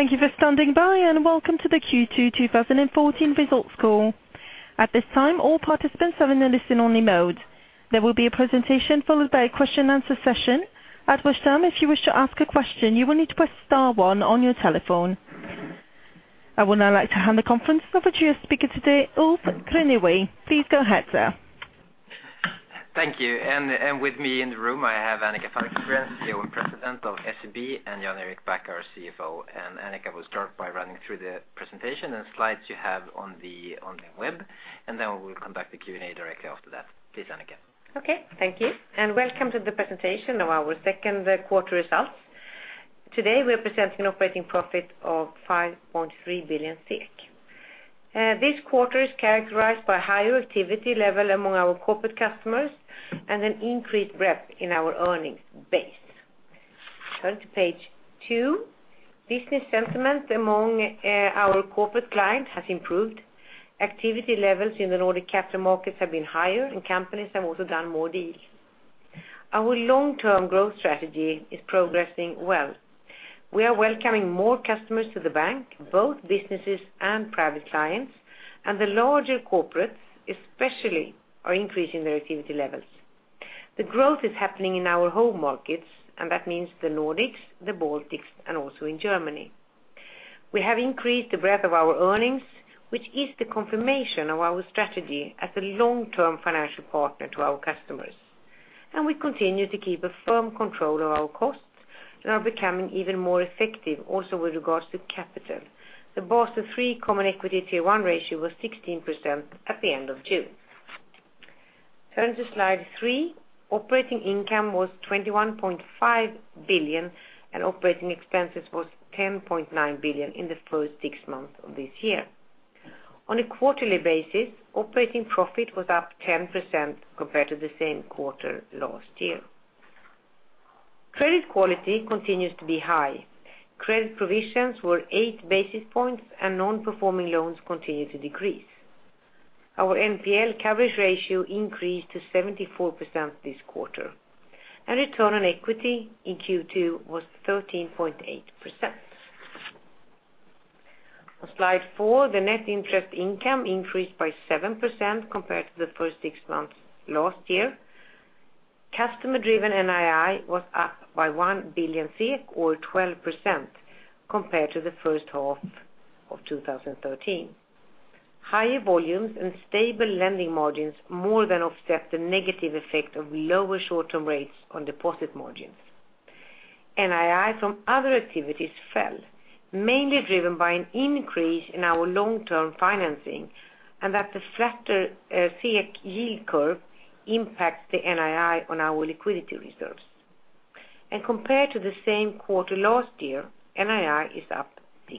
Thank you for standing by, and welcome to the Q2 2014 results call. At this time, all participants are in a listen-only mode. There will be a presentation followed by a question and answer session. At which time, if you wish to ask a question, you will need to press star one on your telephone. I would now like to hand the conference over to your speaker today, Ulf Grunnesjö. Please go ahead, sir. Thank you. With me in the room I have Annika Falkengren, CEO and President of SEB, and Jan Erik Back, our CFO. Annika will start by running through the presentation and slides you have on the web, and then we will conduct the Q&A directly after that. Please, Annika. Okay. Thank you, welcome to the presentation of our second quarter results. Today, we're presenting operating profit of 5.3 billion. This quarter is characterized by higher activity level among our corporate customers and an increased breadth in our earnings base. Turn to page two. Business sentiment among our corporate clients has improved. Activity levels in the Nordic Capital Markets have been higher, and companies have also done more deals. Our long-term growth strategy is progressing well. We are welcoming more customers to the bank, both businesses and private clients, and the larger corporates especially are increasing their activity levels. The growth is happening in our home markets, and that means the Nordics, the Baltics, and also in Germany. We have increased the breadth of our earnings, which is the confirmation of our strategy as a long-term financial partner to our customers. We continue to keep a firm control of our costs and are becoming even more effective also with regards to capital. The Basel III common equity Tier 1 ratio was 16% at the end of June. Turn to slide three. Operating income was 21.5 billion, operating expenses was 10.9 billion in the first six months of this year. On a quarterly basis, operating profit was up 10% compared to the same quarter last year. Credit quality continues to be high. Credit provisions were eight basis points, and non-performing loans continue to decrease. Our NPL coverage ratio increased to 74% this quarter, and return on equity in Q2 was 13.8%. On slide four, the net interest income increased by 7% compared to the first six months last year. Customer-driven NII was up by 1 billion SEK or 12% compared to the first half of 2013. Higher volumes and stable lending margins more than offset the negative effect of lower short-term rates on deposit margins. NII from other activities fell, mainly driven by an increase in our long-term financing, and that the flatter SEK yield curve impacts the NII on our liquidity reserves. Compared to the same quarter last year, NII is up 6%.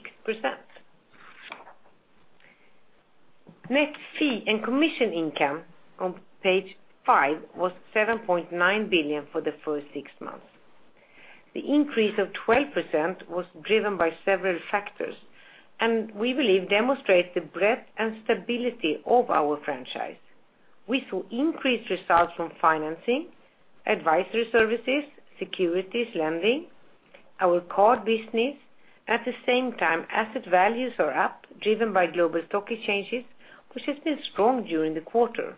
Net fee and commission income on page five was 7.9 billion for the first six months. The increase of 12% was driven by several factors, and we believe demonstrates the breadth and stability of our franchise. We saw increased results from financing, advisory services, securities lending, our card business. At the same time, asset values are up driven by global stock exchanges, which has been strong during the quarter.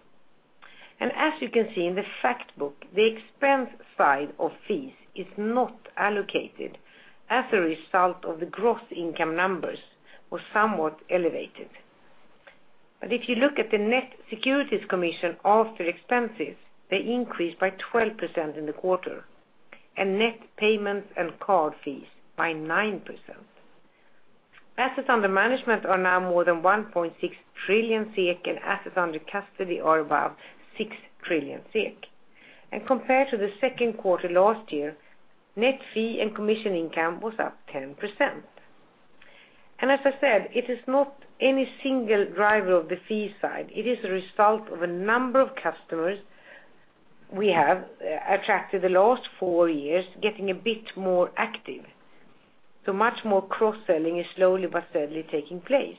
As you can see in the fact book, the expense side of fees is not allocated as a result of the gross income numbers were somewhat elevated. If you look at the net securities commission after expenses, they increased by 12% in the quarter, and net payments and card fees by 9%. Assets under management are now more than 1.6 trillion SEK, and assets under custody are above 6 trillion SEK. Compared to the second quarter last year, net fee and commission income was up 10%. As I said, it is not any single driver of the fee side. It is a result of a number of customers we have attracted the last four years getting a bit more active. Much more cross-selling is slowly but steadily taking place.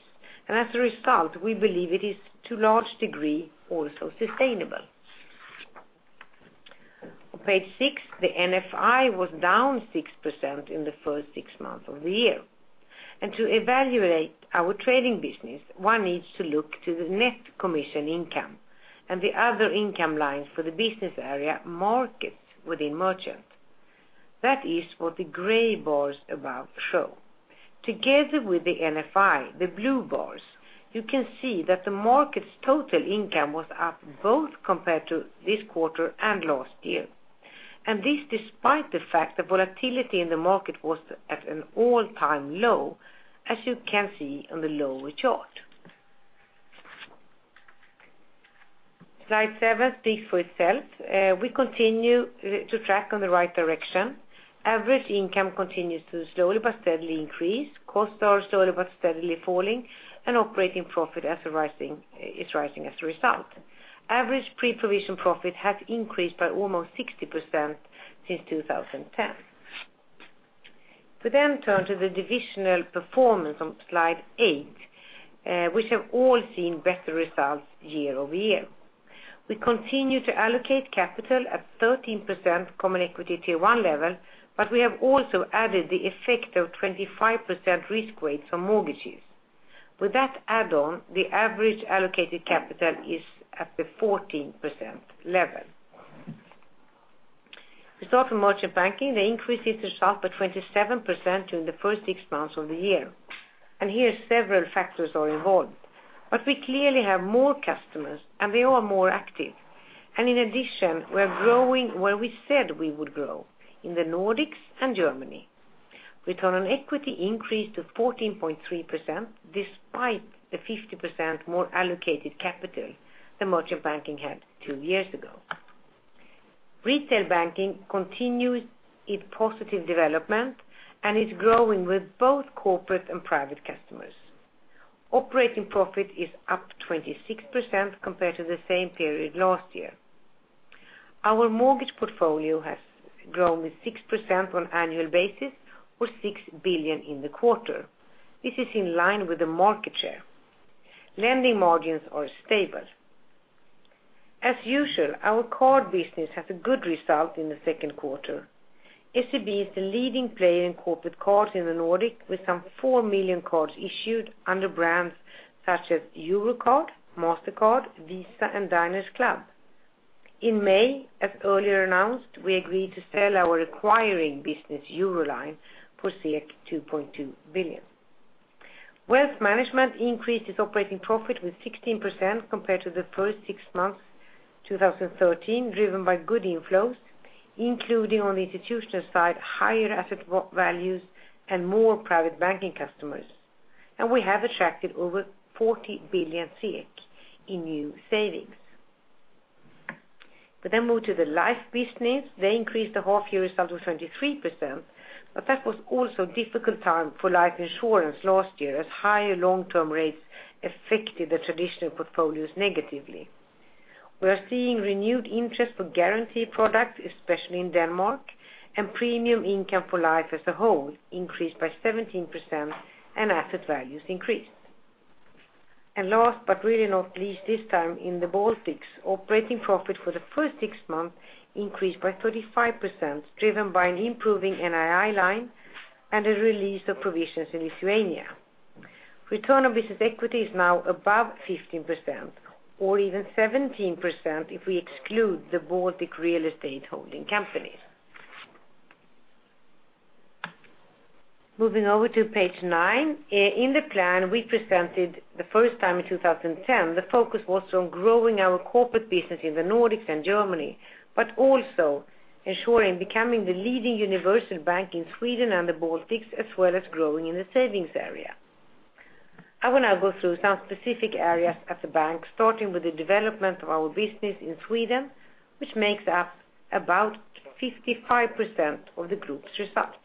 As a result, we believe it is to large degree also sustainable. On page six, the NFI was down 6% in the first six months of the year. To evaluate our trading business, one needs to look to the net commission income and the other income lines for the business area markets within Merchant Banking. That is what the gray bars above show. Together with the NFI, the blue bars, you can see that the market's total income was up both compared to this quarter and last year. This despite the fact that volatility in the market was at an all-time low, as you can see on the lower chart. Slide seven speaks for itself. We continue to track on the right direction. Average income continues to slowly but steadily increase. Costs are slowly but steadily falling, and operating profit is rising as a result. Average pre-provision profit has increased by almost 60% since 2010. We turn to the divisional performance on slide eight, which have all seen better results year-over-year. We continue to allocate capital at 13% common equity Tier 1 level, but we have also added the effect of 25% risk weight for mortgages. With that add-on, the average allocated capital is at the 14% level. We start with Merchant Banking. They increased this up by 27% during the first six months of the year. Here several factors are involved, but we clearly have more customers and they are more active. In addition, we are growing where we said we would grow, in the Nordics and Germany. Return on equity increased to 14.3% despite the 50% more allocated capital than Merchant Banking had two years ago. Retail banking continues its positive development and is growing with both corporate and private customers. Operating profit is up 26% compared to the same period last year. Our mortgage portfolio has grown with 6% on annual basis or 6 billion in the quarter. This is in line with the market share. Lending margins are stable. As usual, our card business has a good result in the second quarter. SEB is the leading player in corporate cards in the Nordic with some 4 million cards issued under brands such as Eurocard, Mastercard, Visa, and Diners Club. In May, as earlier announced, we agreed to sell our acquiring business Euroline for 2.2 billion. Wealth management increased its operating profit with 16% compared to the first six months 2013, driven by good inflows, including on the institutional side, higher asset values and more private banking customers. We have attracted over 40 billion in new savings. We move to the life business. They increased the half year result with 23%, That was also a difficult time for life insurance last year as higher long-term rates affected the traditional portfolios negatively. We are seeing renewed interest for guarantee products, especially in Denmark, premium income for life as a whole increased by 17% and asset values increased. Last but really not least this time, in the Baltics, operating profit for the first six months increased by 35%, driven by an improving NII line and a release of provisions in Lithuania. Return on business equity is now above 15%, or even 17% if we exclude the Baltic real estate holding companies. Moving over to page 9. In the plan we presented the first time in 2010, the focus was on growing our corporate business in the Nordics and Germany, also ensuring becoming the leading universal bank in Sweden and the Baltics, as well as growing in the savings area. I will now go through some specific areas of the bank, starting with the development of our business in Sweden, which makes up about 55% of the group's result.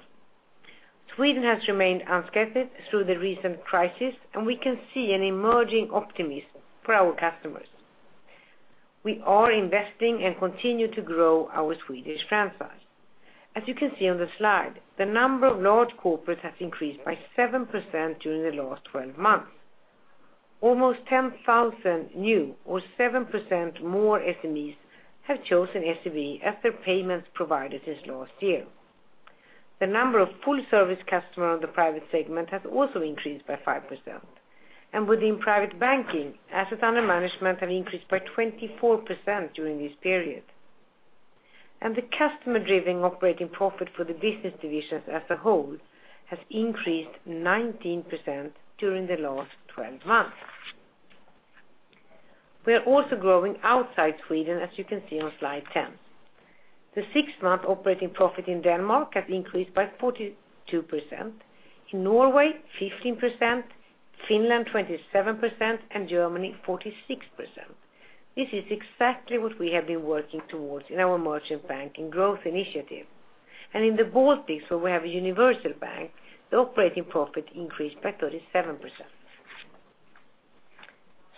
Sweden has remained unscathed through the recent crisis, We can see an emerging optimism for our customers. We are investing and continue to grow our Swedish franchise. As you can see on the slide, the number of large corporates has increased by 7% during the last 12 months. Almost 10,000 new or 7% more SMEs have chosen SEB as their payments provider since last year. The number of full service customers on the private segment has also increased by 5%. Within private banking, assets under management have increased by 24% during this period. The customer-driven operating profit for the business divisions as a whole has increased 19% during the last 12 months. We are also growing outside Sweden, as you can see on slide 10. The six-month operating profit in Denmark has increased by 42%. In Norway, 15%, Finland 27%, and Germany 46%. This is exactly what we have been working towards in our Merchant Banking growth initiative. In the Baltics, where we have a universal bank, the operating profit increased by 37%.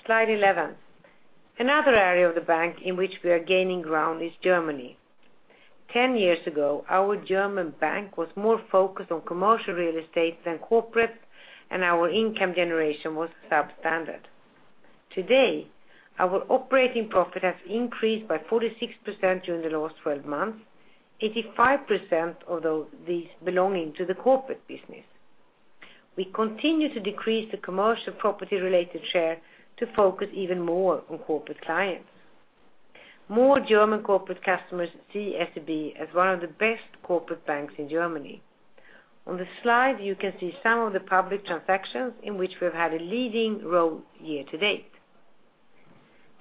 Slide 11. Another area of the bank in which we are gaining ground is Germany. Ten years ago, our German bank was more focused on commercial real estate than corporate, and our income generation was substandard. Today, our operating profit has increased by 46% during the last 12 months, 85% of these belonging to the corporate business. We continue to decrease the commercial property-related share to focus even more on corporate clients. More German corporate customers see SEB as one of the best corporate banks in Germany. On the slide, you can see some of the public transactions in which we have had a leading role year to date.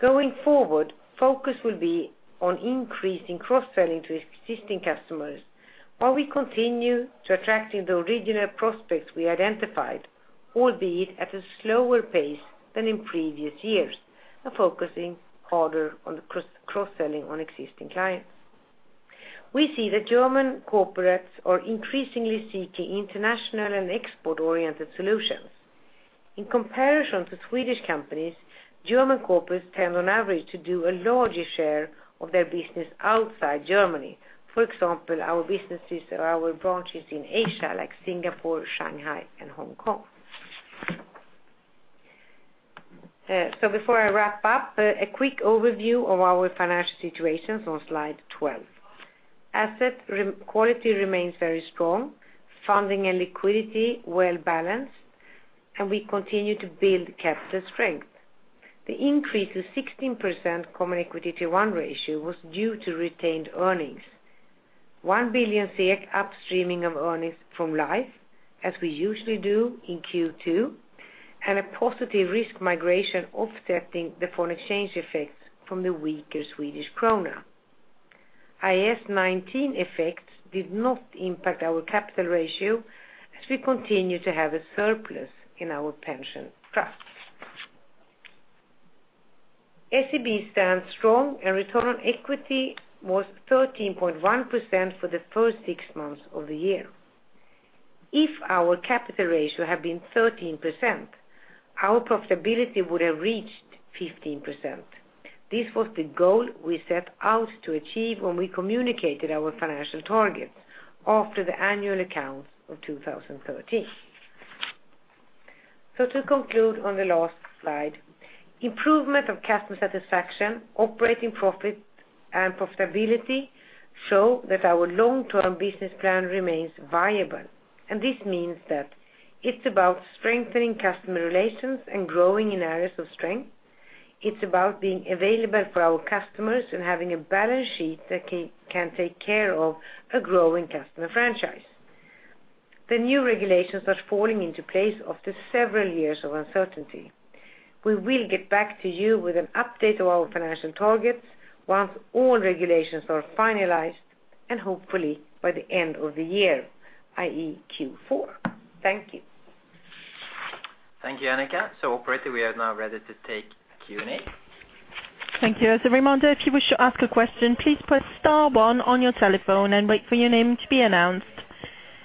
Going forward, focus will be on increasing cross-selling to existing customers while we continue to attract the original prospects we identified, albeit at a slower pace than in previous years and focusing harder on cross-selling on existing clients. We see that German corporates are increasingly seeking international and export-oriented solutions. In comparison to Swedish companies, German corporates tend on average to do a larger share of their business outside Germany. For example, our businesses or our branches in Asia, like Singapore, Shanghai and Hong Kong. Before I wrap up, a quick overview of our financial situations on slide 12. Asset quality remains very strong, funding and liquidity well-balanced, and we continue to build capital strength. The increase of 16% common equity Tier 1 ratio was due to retained earnings. 1 billion SEK upstreaming of earnings from Life, as we usually do in Q2, and a positive risk migration offsetting the foreign exchange effects from the weaker Swedish krona. IAS 19 effects did not impact our capital ratio as we continue to have a surplus in our pension trust. SEB stands strong and return on equity was 13.1% for the first six months of the year. If our capital ratio had been 13%, our profitability would have reached 15%. This was the goal we set out to achieve when we communicated our financial targets after the annual accounts of 2013. To conclude on the last slide, improvement of customer satisfaction, operating profit, and profitability show that our long-term business plan remains viable. This means that it's about strengthening customer relations and growing in areas of strength. It's about being available for our customers and having a balance sheet that can take care of a growing customer franchise. The new regulations are falling into place after several years of uncertainty. We will get back to you with an update of our financial targets once all regulations are finalized and hopefully by the end of the year, i.e., Q4. Thank you. Thank you, Annika. Operator, we are now ready to take Q&A. Thank you. As a reminder, if you wish to ask a question, please press star one on your telephone and wait for your name to be announced.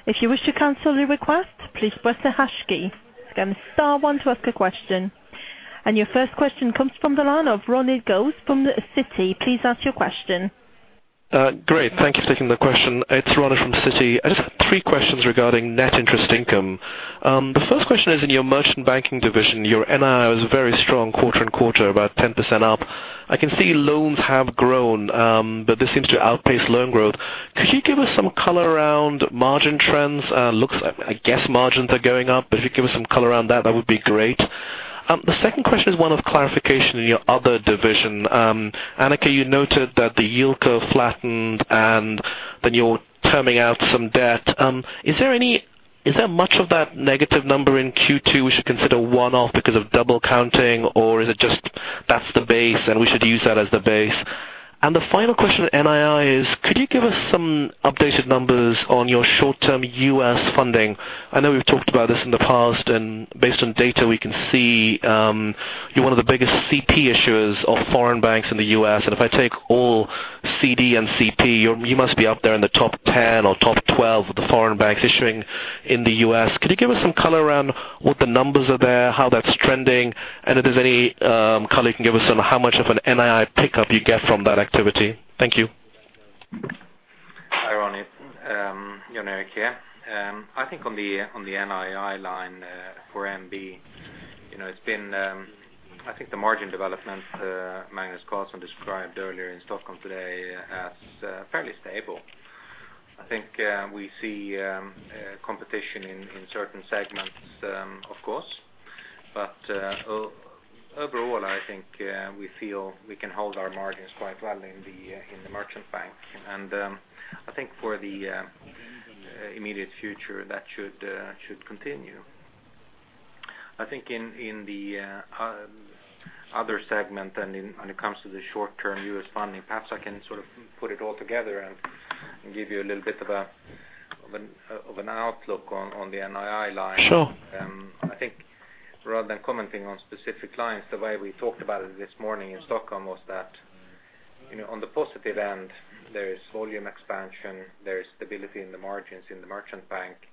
If you wish to cancel the request, please press the hash key. Again, star one to ask a question. Your first question comes from the line of Ronit Ghose from Citi. Please ask your question. Great. Thank you for taking the question. It's Ronit from Citi. I just have three questions regarding net interest income. The first question is in your Merchant Banking division, your NII was very strong quarter and quarter, about 10% up. I can see loans have grown, but this seems to outpace loan growth. Could you give us some color around margin trends? I guess margins are going up, but if you could give us some color around that would be great. The second question is one of clarification in your other division. Annika, you noted that the yield curve flattened and then you're terming out some debt. Is there much of that negative number in Q2 we should consider one-off because of double counting, or is it just that's the base and we should use that as the base? The final question on NII is, could you give us some updated numbers on your short-term U.S. funding? I know we've talked about this in the past, and based on data we can see you're one of the biggest CP issuers of foreign banks in the U.S., and if I take all CD and CP, you must be up there in the top 10 or top 12 of the foreign banks issuing in the U.S. Could you give us some color around what the numbers are there, how that's trending, and if there's any color you can give us on how much of an NII pickup you get from that activity? Thank you. Hi, Ronit. Jan Erik here. I think on the NII line for MB, I think the margin development Magnus Carlsson described earlier in Stockholm today as fairly stable. I think we see competition in certain segments, of course. But overall, I think we feel we can hold our margins quite well in the Merchant bank. I think for the immediate future, that should continue. I think in the other segment and when it comes to the short-term U.S. funding, perhaps I can put it all together and give you a little bit of an outlook on the NII line. Sure. I think rather than commenting on specific lines, the way we talked about it this morning in Stockholm was that on the positive end, there is volume expansion, there is stability in the margins in the Merchant Banking.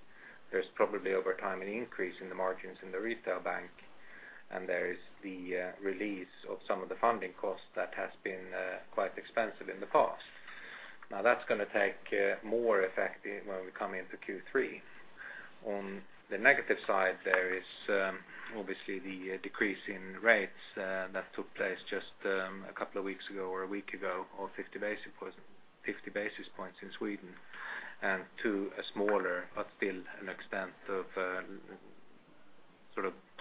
There's probably over time an increase in the margins in the retail bank, and there is the release of some of the funding costs that has been quite expensive in the past. That's going to take more effect when we come into Q3. On the negative side, there is obviously the decrease in rates that took place just a couple of weeks ago or a week ago of 50 basis points in Sweden, and to a smaller but still an extent of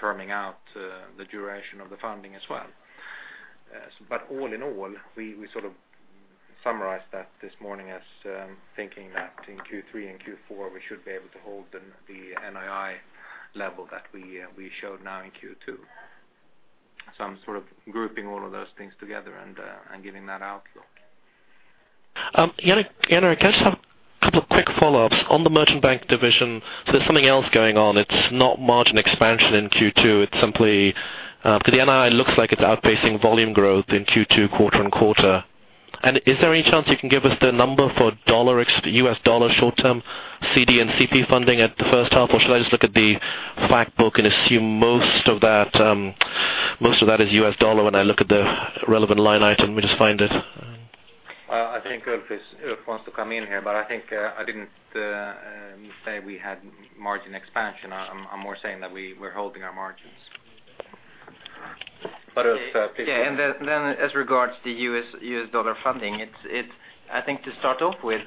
terming out the duration of the funding as well. All in all, we summarized that this morning as thinking that in Q3 and Q4, we should be able to hold the NII level that we showed now in Q2. I'm grouping all of those things together and giving that outlook. Jan Erik, can I just have a couple of quick follow-ups on the Merchant Banking division. There's something else going on. It's not margin expansion in Q2. The NII looks like it's outpacing volume growth in Q2 quarter-over-quarter. Is there any chance you can give us the number for USD short-term CD and CP funding at the first half? Should I just look at the fact book and assume most of that is USD when I look at the relevant line item? Let me just find it I think Ulf wants to come in here, I think I didn't say we had margin expansion. I'm more saying that we're holding our margins. Ulf. Yeah. As regards the U.S. dollar funding, I think to start off with,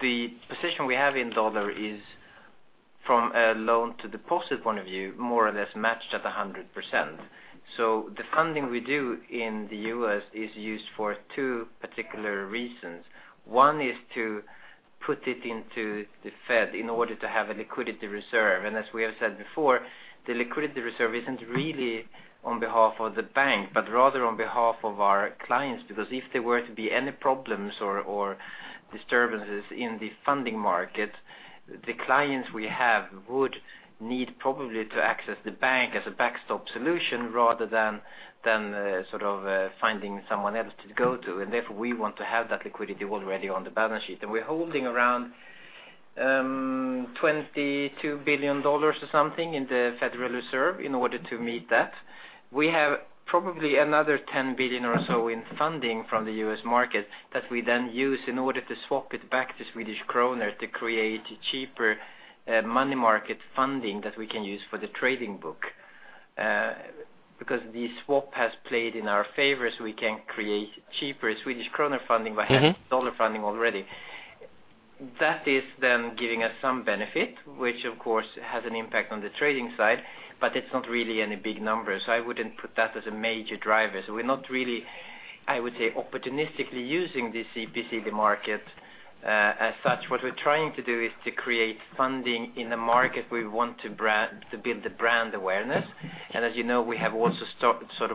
the position we have in dollar is from a loan to deposit point of view, more or less matched at 100%. The funding we do in the U.S. is used for two particular reasons. One is to put it into the Fed in order to have a liquidity reserve. As we have said before, the liquidity reserve isn't really on behalf of the bank, but rather on behalf of our clients, because if there were to be any problems or disturbances in the funding market, the clients we have would need probably to access the bank as a backstop solution rather than finding someone else to go to. Therefore, we want to have that liquidity already on the balance sheet. We're holding around $22 billion or something in the Federal Reserve in order to meet that. We have probably another $10 billion or so in funding from the U.S. market that we then use in order to swap it back to Swedish krona to create cheaper money market funding that we can use for the trading book. The swap has played in our favor, we can create cheaper Swedish krona funding by having dollar funding already. That is then giving us some benefit, which of course, has an impact on the trading side, but it's not really any big numbers. I wouldn't put that as a major driver. We're not really, I would say, opportunistically using the CP/CD market as such. What we're trying to do is to create funding in the market. We want to build the brand awareness. As you know, we have also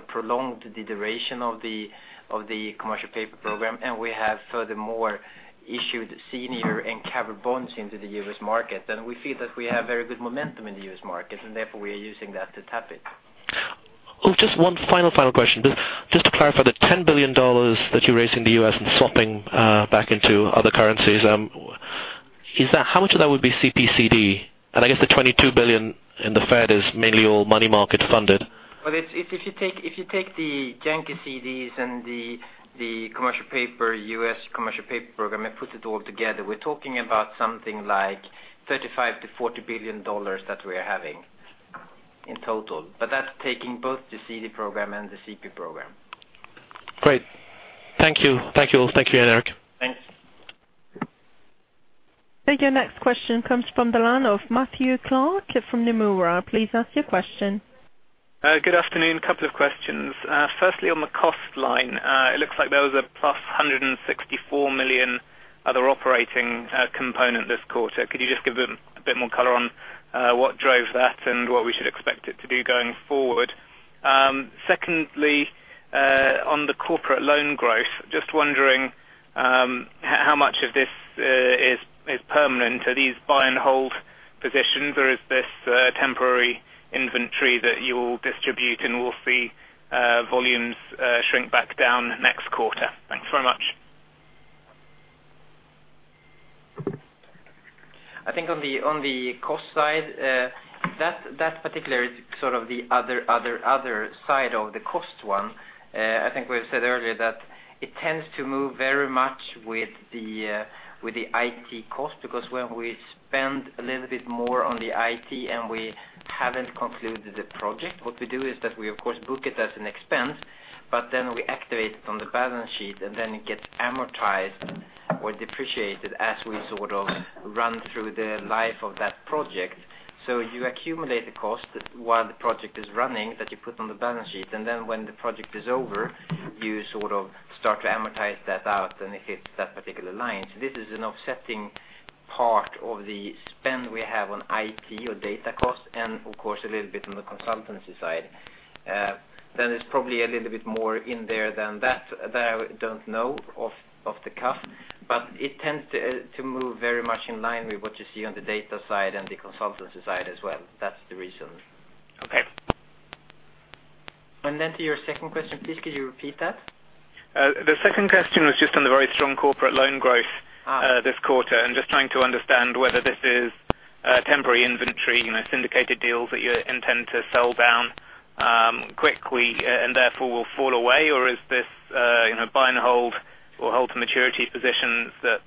prolonged the duration of the commercial paper program, and we have furthermore issued senior and covered bonds into the U.S. market. We feel that we have very good momentum in the U.S. market, therefore we are using that to tap it. Just one final question. Just to clarify, the $10 billion that you raised in the U.S. and swapping back into other currencies, how much of that would be CP/CD? I guess the $22 billion in the Fed is mainly all money market funded. If you take the Yankee CDs and the U.S. commercial paper program and put it all together, we're talking about something like $35 billion-$40 billion that we are having in total. That's taking both the CD program and the CP program. Great. Thank you, Ulf. Thank you, Jan Erik. Thanks. Your next question comes from the line of Matthew Clark from Nomura. Please ask your question. Good afternoon. A couple of questions. Firstly, on the cost line, it looks like there was a plus 164 million other operating component this quarter. Could you just give a bit more color on what drove that and what we should expect it to be going forward? Secondly, on the corporate loan growth, just wondering how much of this is permanent. Are these buy and hold positions or is this temporary inventory that you will distribute and we'll see volumes shrink back down next quarter? Thanks very much. I think on the cost side, that particular is sort of the other side of the cost one. I think we've said earlier that it tends to move very much with the IT cost because when we spend a little bit more on the IT and we haven't concluded the project, what we do is that we, of course, book it as an expense, but then we activate it on the balance sheet, and then it gets amortized or depreciated as we run through the life of that project. You accumulate the cost while the project is running that you put on the balance sheet. When the project is over, you start to amortize that out, and it hits that particular line. This is an offsetting part of the spend we have on IT or data costs and, of course, a little bit on the consultancy side. There's probably a little bit more in there than that I don't know off the cuff, but it tends to move very much in line with what you see on the data side and the consultancy side as well. That's the reason. Okay. To your second question, please, could you repeat that? The second question was just on the very strong corporate loan growth this quarter, just trying to understand whether this is temporary inventory, syndicated deals that you intend to sell down quickly and therefore will fall away? Is this buy and hold or hold to maturity positions that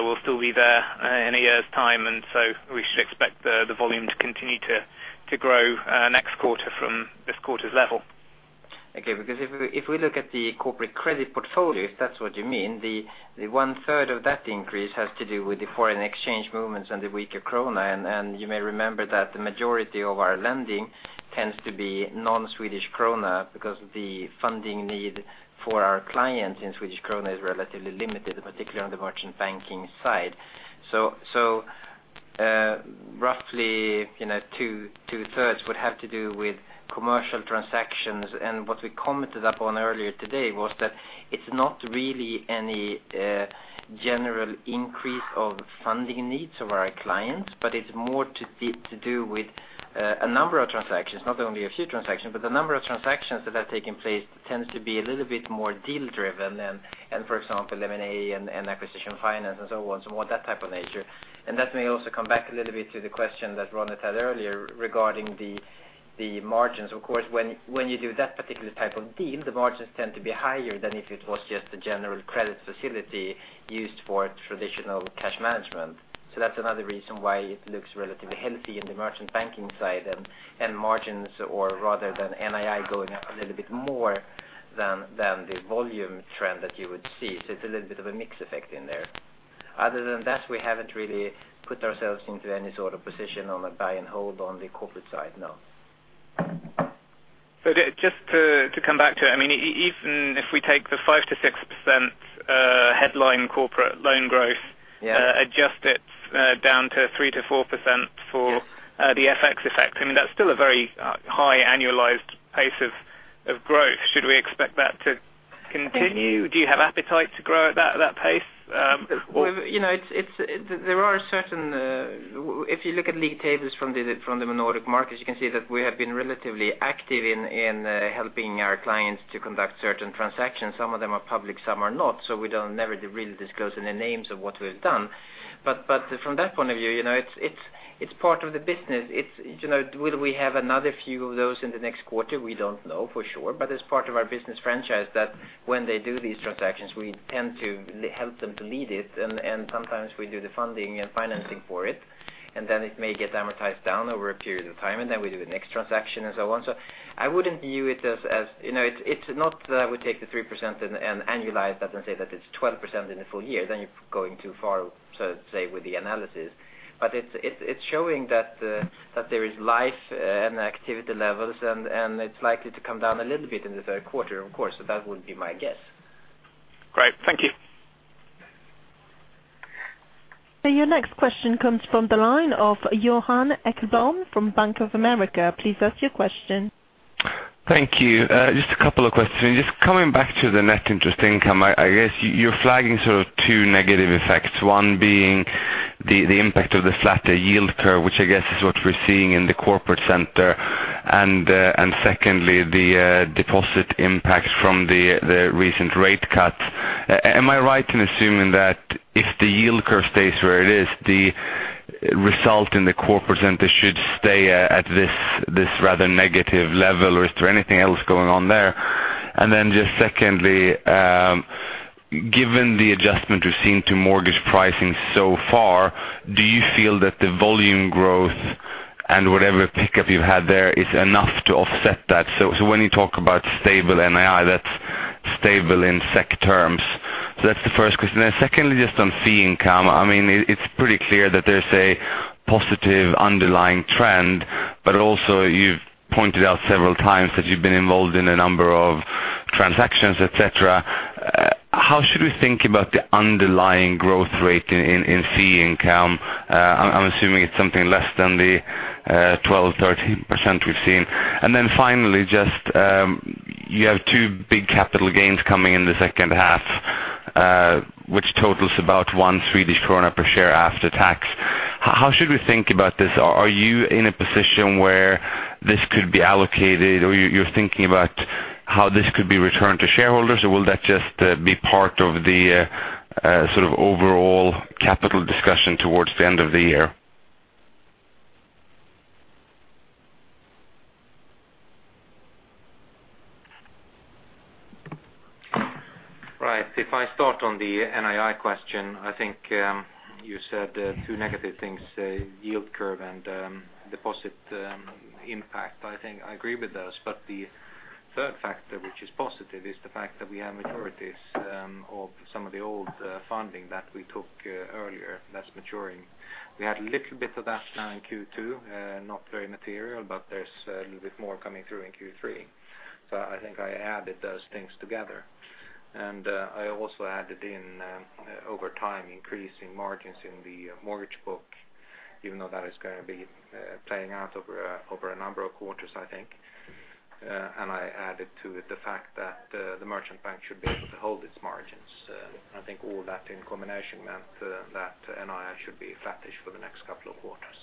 will still be there in a year's time, we should expect the volume to continue to grow next quarter from this quarter's level? Okay. If we look at the corporate credit portfolio, if that's what you mean, the one-third of that increase has to do with the foreign exchange movements and the weaker krona. You may remember that the majority of our lending tends to be non-Swedish krona because the funding need for our clients in Swedish krona is relatively limited, particularly on the Merchant Banking side. Roughly two-thirds would have to do with commercial transactions. What we commented upon earlier today was that it's not really any general increase of funding needs of our clients, but it's more to do with a number of transactions. Not only a few transactions, but the number of transactions that have taken place tends to be a little bit more deal-driven and, for example, M&A and acquisition finance and so on, so more of that type of nature. That may also come back a little bit to the question that Ronit had earlier regarding the margins. Of course, when you do that particular type of deal, the margins tend to be higher than if it was just a general credit facility used for traditional cash management. That's another reason why it looks relatively healthy in the Merchant Banking side and margins or rather NII going up a little bit more than the volume trend that you would see. It's a little bit of a mix effect in there. Other than that, we haven't really put ourselves into any sort of position on a buy and hold on the corporate side, no. Just to come back to it, even if we take the 5%-6% headline corporate loan growth- Yes adjust it down to 3%-4% for the FX effect, that's still a very high annualized pace of growth. Should we expect that to continue? Do you have appetite to grow at that pace? If you look at league tables from the Nordic markets, you can see that we have been relatively active in helping our clients to conduct certain transactions. Some of them are public, some are not, so we don't never really disclose the names of what we've done. From that point of view, it's part of the business. Will we have another few of those in the next quarter? We don't know for sure, it's part of our business franchise that when they do these transactions, we tend to help them to lead it, sometimes we do the funding and financing for it may get amortized down over a period of time, we do the next transaction and so on. It's not that I would take the 3% and annualize that and say that it's 12% in a full year. You're going too far, so to say, with the analysis. It's showing that there is life and activity levels and it's likely to come down a little bit in the third quarter, of course. That would be my guess. Great. Thank you. Your next question comes from the line of Johan Ekblom from Bank of America. Please ask your question. Thank you. Just a couple of questions. Just coming back to the net interest income. I guess you're flagging two negative effects. One being the impact of the flatter yield curve, which I guess is what we're seeing in the corporate center. Secondly, the deposit impact from the recent rate cuts. Am I right in assuming that if the yield curve stays where it is, the result in the corporate center should stay at this rather negative level, or is there anything else going on there? Just secondly, given the adjustment we've seen to mortgage pricing so far, do you feel that the volume growth and whatever pickup you've had there is enough to offset that? When you talk about stable NII, that's stable in SEK terms. That's the first question. Secondly, just on fee income. It's pretty clear that there's a positive underlying trend, but also you've pointed out several times that you've been involved in a number of transactions, et cetera. How should we think about the underlying growth rate in fee income? I'm assuming it's something less than the 12%, 13% we've seen. Finally, you have two big capital gains coming in the second half, which totals about 1 Swedish krona per share after tax. How should we think about this? Are you in a position where this could be allocated, or you're thinking about how this could be returned to shareholders? Will that just be part of the overall capital discussion towards the end of the year? Right. If I start on the NII question, I think you said two negative things, yield curve and deposit impact. I think I agree with those, but the third factor, which is positive, is the fact that we have maturities of some of the old funding that we took earlier that's maturing. We had a little bit of that now in Q2, not very material, but there's a little bit more coming through in Q3. I think I added those things together. I also added in, over time, increasing margins in the mortgage book, even though that is going to be playing out over a number of quarters, I think. I added to it the fact that the Merchant Bank should be able to hold its margins. I think all that in combination meant that NII should be flattish for the next couple of quarters.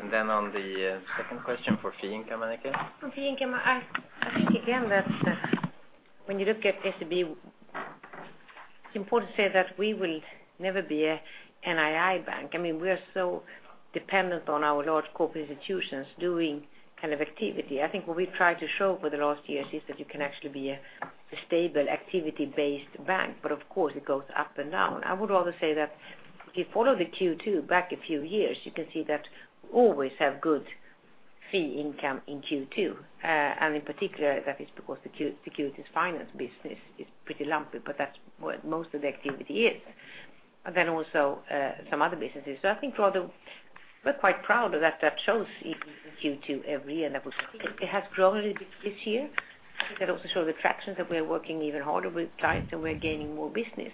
On the second question for fee income, Annika? On fee income, I think again that when you look at SEB, it's important to say that we will never be a NII bank. We are so dependent on our large corporate institutions doing activity. I think what we've tried to show over the last years is that you can actually be a stable activity-based bank, but of course, it goes up and down. I would rather say that if you follow the Q2 back a few years, you can see that we always have good fee income in Q2. In particular, that is because the securities finance business is pretty lumpy, but that's what most of the activity is. Also some other businesses. I think we're quite proud of that. That shows in Q2 every year. I would say it has grown a little bit this year. I think that also shows the traction that we are working even harder with clients and we're gaining more business.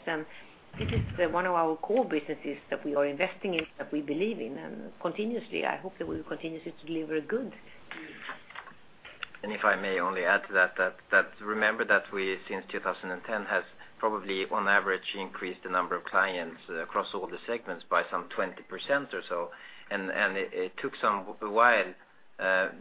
This is one of our core businesses that we are investing in, that we believe in. Continuously, I hope that we will continuously deliver good. If I may only add to that, remember that we, since 2010, have probably on average increased the number of clients across all the segments by some 20% or so. It took a while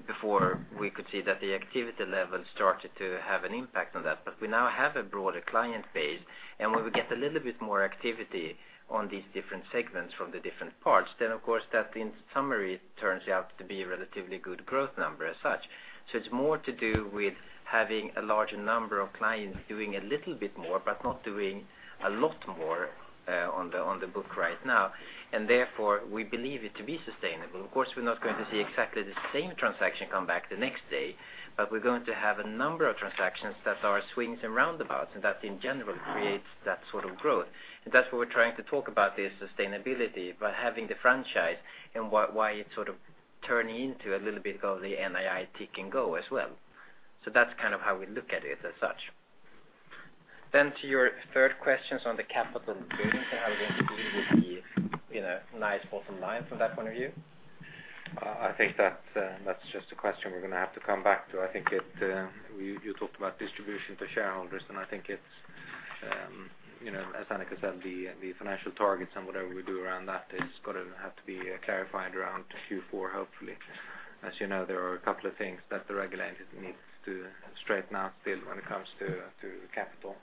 before we could see that the activity level started to have an impact on that. We now have a broader client base, and when we get a little bit more activity on these different segments from the different parts, then of course that in summary turns out to be a relatively good growth number as such. It's more to do with having a larger number of clients doing a little bit more, but not doing a lot more on the book right now. Therefore, we believe it to be sustainable. Of course, we're not going to see exactly the same transaction come back the next day, but we're going to have a number of transactions that are swings and roundabouts, that in general creates that sort of growth. That's what we're trying to talk about, the sustainability by having the franchise and why it's turning into a little bit of the NII tick and go as well. That's how we look at it as such. To your third questions on the capital gains and how you're going to deal with the nice bottom line from that point of view. I think that's just a question we're going to have to come back to. I think you talked about distribution to shareholders, and I think it's, as Annika said, the financial targets and whatever we do around that is going to have to be clarified around Q4, hopefully. As you know, there are a couple of things that the regulator needs to straighten out still when it comes to capital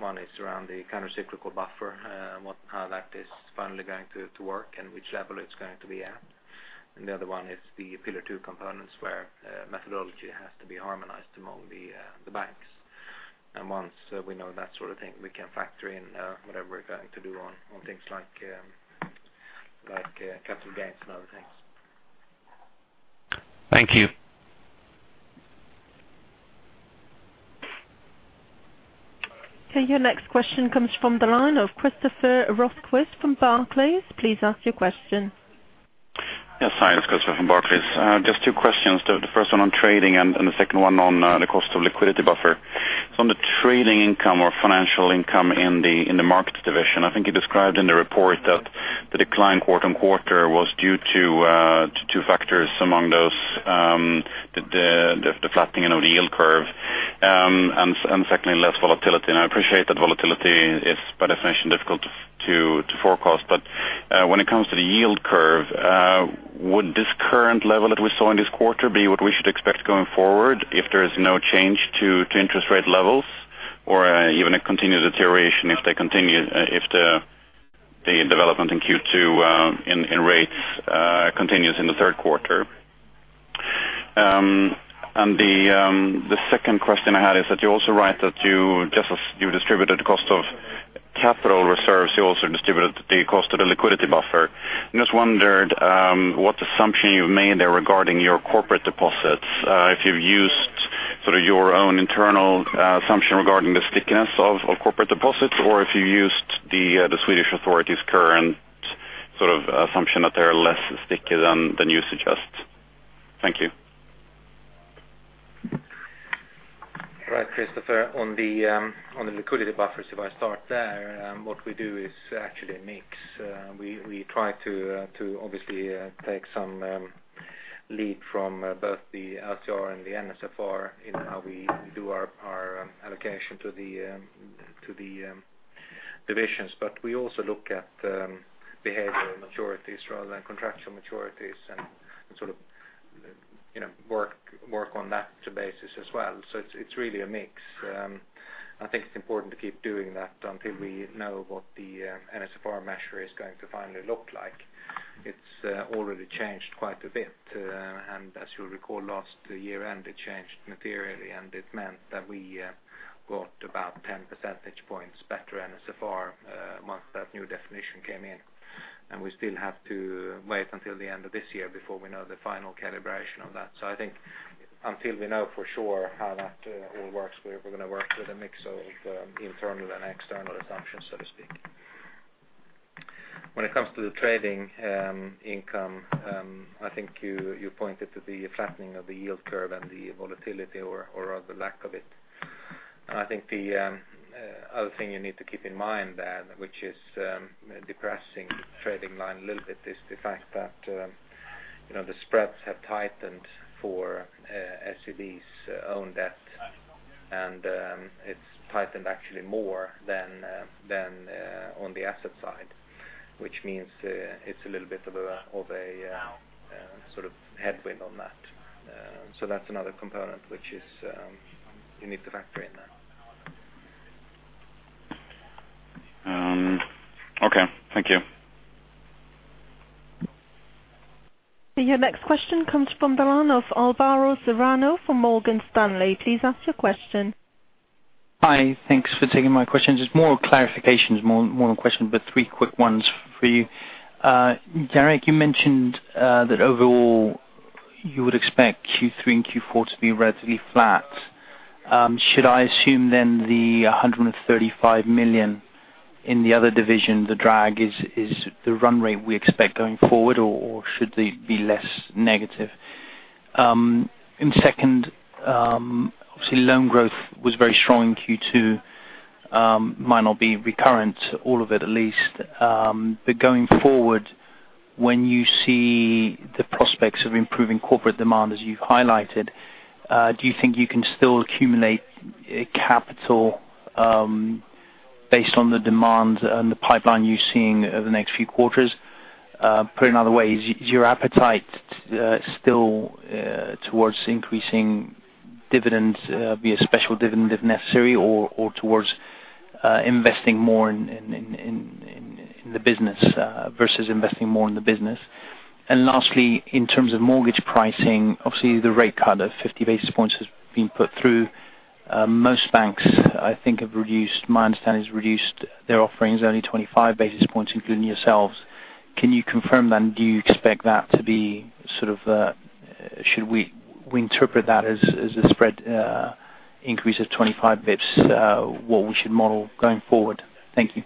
monies around the countercyclical buffer and how that is finally going to work and which level it's going to be at. The other one is the Pillar 2 components, where methodology has to be harmonized among the banks. Once we know that sort of thing, we can factor in whatever we're going to do on things like capital gains and other things. Thank you. Okay, your next question comes from the line of Christoffer Rosquist from Barclays. Please ask your question. Yes. Hi, it's Christoffer from Barclays. Just two questions. The first one on trading and the second one on the cost of liquidity buffer. On the trading income or financial income in the markets division, I think you described in the report that the decline quarter-on-quarter was due to two factors. Among those, the flattening of the yield curve, and second, less volatility. I appreciate that volatility is by definition difficult to forecast. But when it comes to the yield curve, would this current level that we saw in this quarter be what we should expect going forward if there is no change to interest rate levels or even a continued deterioration if the development in Q2 in rates continues in the third quarter? The second question I had is that you also write that just as you distributed the cost of capital reserves, you also distributed the cost of the liquidity buffer. Just wondered what assumption you've made there regarding your corporate deposits. If you've used sort of your own internal assumption regarding the stickiness of corporate deposits or if you used the Swedish authorities' current sort of assumption that they are less sticky than you suggest. Thank you. Right, Christoffer, on the liquidity buffers, if I start there, what we do is actually a mix. We try to obviously take some lead from both the LCR and the NSFR in how we do our allocation to the divisions. But we also look at behavioral maturities rather than contractual maturities and sort of work on that basis as well. It's really a mix. I think it's important to keep doing that until we know what the NSFR measure is going to finally look like. It's already changed quite a bit, and as you'll recall, last year-end, it changed materially, and it meant that we got about 10 percentage points better NSFR once that new definition came in. And we still have to wait until the end of this year before we know the final calibration of that. I think until we know for sure how that all works, we're going to work with a mix of internal and external assumptions, so to speak. When it comes to the trading income, I think you pointed to the flattening of the yield curve and the volatility, or rather lack of it. I think the other thing you need to keep in mind, which is depressing the trading line a little bit, is the fact that the spreads have tightened for SEB's own debt. And it's tightened actually more than on the asset side, which means it's a little bit of a headwind on that. That's another component which you need to factor in there. Okay. Thank you. Your next question comes from the line of Alvaro Serrano from Morgan Stanley. Please ask your question. Hi. Thanks for taking my questions. It's more of clarifications, more one question, but three quick ones for you. Jan Erik, you mentioned that overall you would expect Q3 and Q4 to be relatively flat. Should I assume then the 135 million in the other division, the drag is the run rate we expect going forward, or should they be less negative? Second, obviously loan growth was very strong in Q2. Might not be recurrent, all of it at least. Going forward, when you see the prospects of improving corporate demand as you've highlighted, do you think you can still accumulate capital based on the demand and the pipeline you're seeing over the next few quarters? Put another way, is your appetite still towards increasing dividends, be a special dividend if necessary, or towards investing more in the business? Lastly, in terms of mortgage pricing, obviously the rate cut of 50 basis points has been put through. Most banks, I think, my understanding, has reduced their offerings only 25 basis points, including yourselves. Can you confirm then, do you expect that to be, should we interpret that as a spread increase of 25 basis points what we should model going forward? Thank you.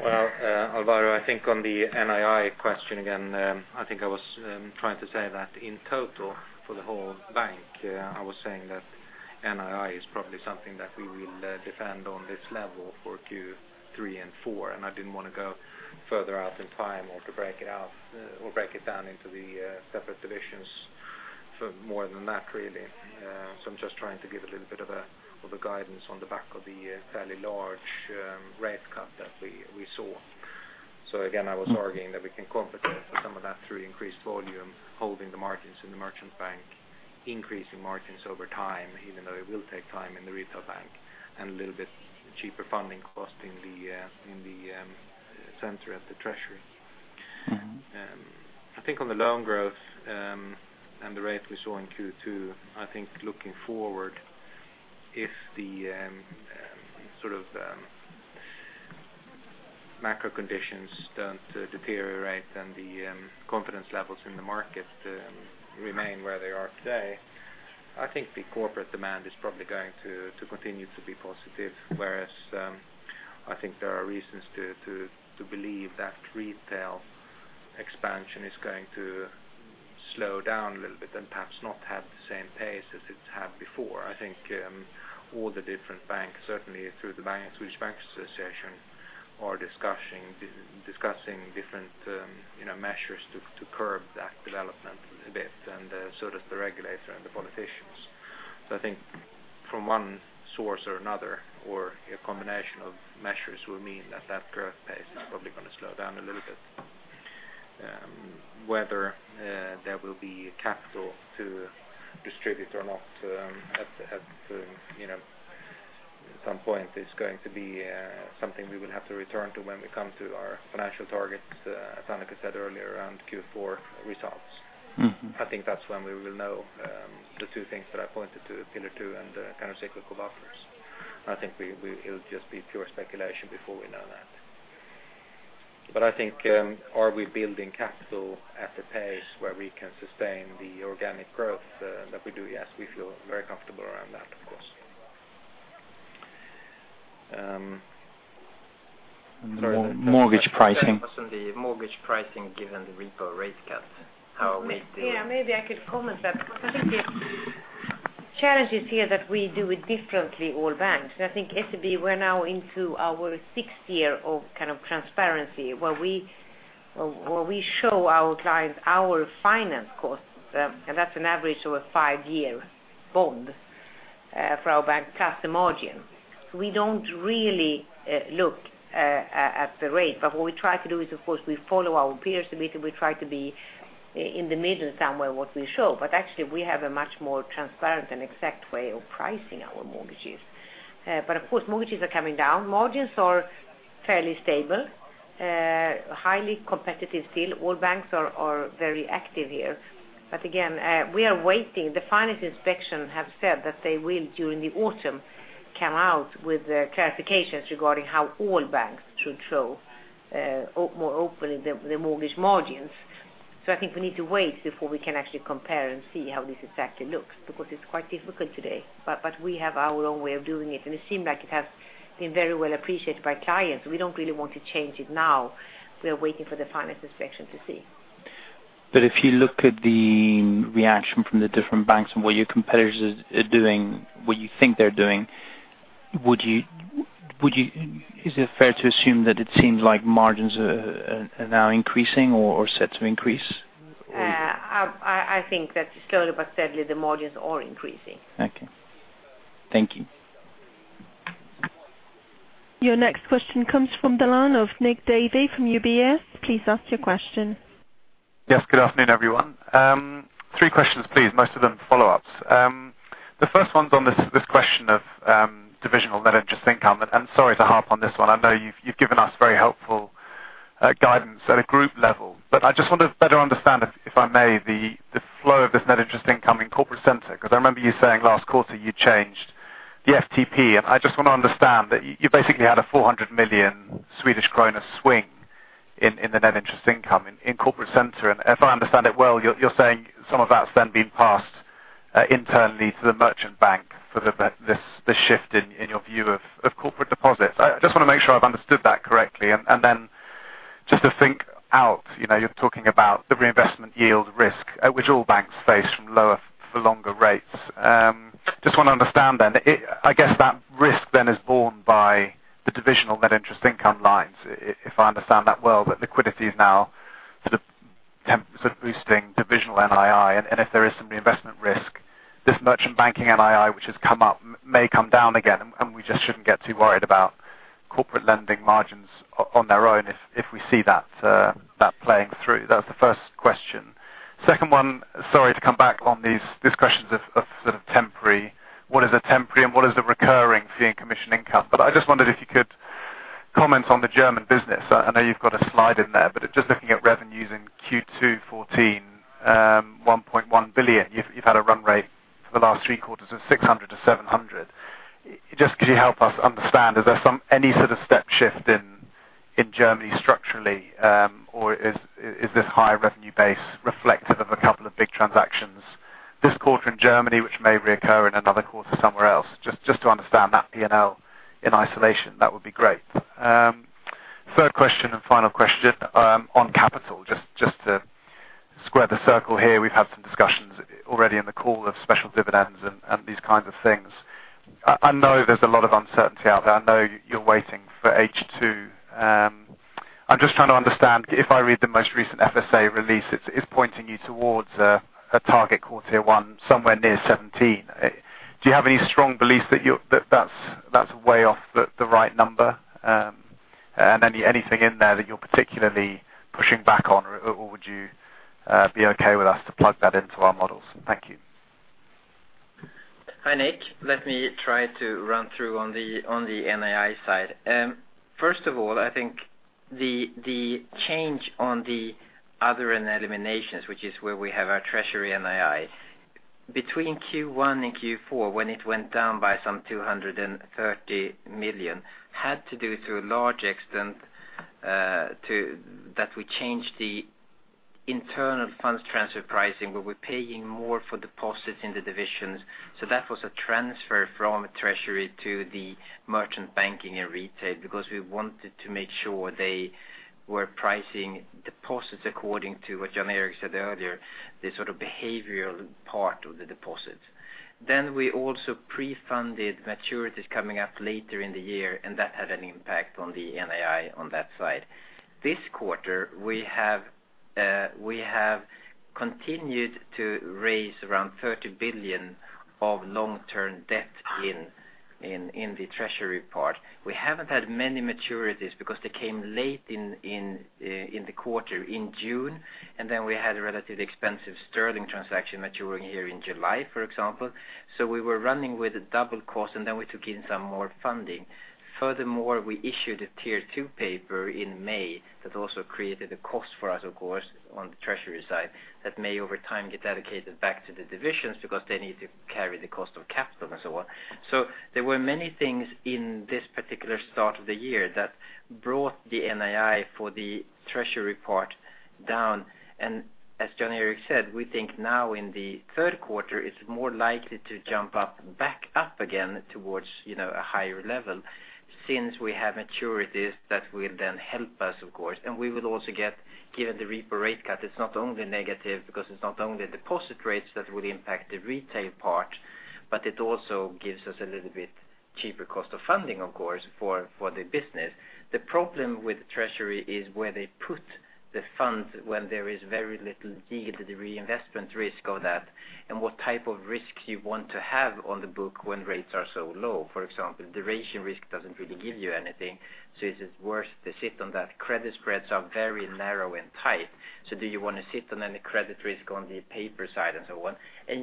Alvaro, I think on the NII question again, I think I was trying to say that in total for the whole bank, I was saying that NII is probably something that we will defend on this level for Q3 and Q4, and I didn't want to go further out in time or to break it down into the separate divisions more than that, really. I'm just trying to give a little bit of a guidance on the back of the fairly large rate cut that we saw. Again, I was arguing that we can compensate for some of that through increased volume, holding the margins in the Merchant Banking, increasing margins over time, even though it will take time in the retail bank, and a little bit cheaper funding cost in the center at the treasury. I think on the loan growth, and the rate we saw in Q2, I think looking forward if the macro conditions don't deteriorate and the confidence levels in the market remain where they are today, I think the corporate demand is probably going to continue to be positive, whereas I think there are reasons to believe that retail expansion is going to slow down a little bit and perhaps not have the same pace as it's had before. I think all the different banks, certainly through the Swedish Bankers' Association, are discussing different measures to curb that development a bit, and so does the regulator and the politicians. I think from one source or another, or a combination of measures will mean that that growth pace is probably going to slow down a little bit. Whether there will be capital to distribute or not at some point is going to be something we will have to return to when we come to our financial targets, as Annika said earlier, around Q4 results. I think that's when we will know the two things that I pointed to Pillar 2 and countercyclical buffers. I think it'll just be pure speculation before we know that. I think are we building capital at a pace where we can sustain the organic growth that we do? Yes, we feel very comfortable around that, of course. Mortgage pricing. On the mortgage pricing given the repo rate cuts. Yeah, maybe I could comment that because I think the challenge is here that we do it differently, all banks. I think SEB, we're now into our sixth year of transparency, where we show our clients our finance costs, and that's an average of a five-year bond for our bank customer margin. We don't really look at the rate, but what we try to do is, of course, we follow our peers a bit, and we try to be in the middle somewhere what we show. Actually, we have a much more transparent and exact way of pricing our mortgages. Of course, mortgages are coming down. Margins are fairly stable, highly competitive still. All banks are very active here. Again, we are waiting. The Finansinspektionen have said that they will, during the autumn, come out with clarifications regarding how all banks should show more openly the mortgage margins. I think we need to wait before we can actually compare and see how this exactly looks, because it's quite difficult today. We have our own way of doing it, and it seems like it has been very well appreciated by clients, so we don't really want to change it now. We are waiting for the Finansinspektionen to see. If you look at the reaction from the different banks and what your competitors are doing, what you think they're doing, is it fair to assume that it seems like margins are now increasing or set to increase? I think that slowly but steadily, the margins are increasing. Okay. Thank you. Your next question comes from the line of Nick Davey from UBS. Please ask your question. Yes. Good afternoon, everyone. Three questions please, most of them follow-ups. The first one's on this question of divisional net interest income, sorry to harp on this one. I know you've given us very helpful guidance at a group level, but I just want to better understand, if I may, the flow of this net interest income in Corporate Center, because I remember you saying last quarter you changed the FTP, I just want to understand that you basically had a 400 million Swedish kronor swing in the net interest income in Corporate Center. If I understand it well, you're saying some of that's then being passed internally to the Merchant Banking for the shift in your view of corporate deposits. I just want to make sure I've understood that correctly. Just to think out, you're talking about the reinvestment yield risk, which all banks face from lower for longer rates. I want to understand then, I guess that risk then is borne by the divisional net interest income lines, if I understand that well. That liquidity is now sort of boosting divisional NII, if there is some reinvestment risk, this Merchant Banking NII, which has come up, may come down again, we just shouldn't get too worried about corporate lending margins on their own if we see that playing through. That was the first question. Second one, sorry to come back on these discussions of what is a temporary and what is a recurring fee and commission income. I just wondered if you could comment on the German business. I know you've got a slide in there, looking at revenues in Q2 2014, 1.1 billion. You've had a run rate for the last three quarters of 600 million to 700 million. Could you help us understand, is there any sort of step shift in Germany structurally? Is this high revenue base reflective of a couple of big transactions this quarter in Germany, which may reoccur in another quarter somewhere else. To understand that P&L in isolation, that would be great. Third question and final question on capital, to square the circle here, we've had some discussions already in the call of special dividends and these kinds of things. I know there's a lot of uncertainty out there. I know you're waiting for H2. I'm trying to understand, if I read the most recent Finansinspektionen release, it's pointing you towards a target Core Tier 1 somewhere near 17%. Do you have any strong beliefs that that's way off the right number? Anything in there that you're particularly pushing back on or would you be okay with us to plug that into our models? Thank you. Hi, Nick. Let me try to run through on the NII side. First of all, I think the change on the other and eliminations, which is where we have our treasury NII. Between Q1 and Q4, when it went down by some 230 million, had to do to a large extent that we changed the internal funds transfer pricing, where we're paying more for deposits in the divisions. That was a transfer from treasury to the Merchant Banking and retail because we wanted to make sure they were pricing deposits according to what Jan Erik said earlier, the behavioral part of the deposits. We also pre-funded maturities coming up later in the year, and that had an impact on the NII on that side. This quarter, we have continued to raise around 30 billion of long-term debt in the treasury part. We haven't had many maturities because they came late in the quarter in June, then we had a relatively expensive sterling transaction maturing here in July, for example. We were running with a double cost then we took in some more funding. Furthermore, we issued a Tier 2 paper in May that also created a cost for us, of course, on the treasury side that may over time get dedicated back to the divisions because they need to carry the cost of capital and so on. There were many things in this particular start of the year that brought the NII for the treasury part down. As Jan Erik said, we think now in the third quarter, it's more likely to jump up back up again towards a higher level since we have maturities that will then help us, of course. We will also get, given the repo rate cut, it's not only negative because it's not only deposit rates that will impact the retail part, but it also gives us a little bit cheaper cost of funding, of course, for the business. The problem with treasury is where they put the funds when there is very little yield to the reinvestment risk of that and what type of risk you want to have on the book when rates are so low. For example, duration risk doesn't really give you anything, is it worth to sit on that? Credit spreads are very narrow and tight. Do you want to sit on any credit risk on the paper side and so on?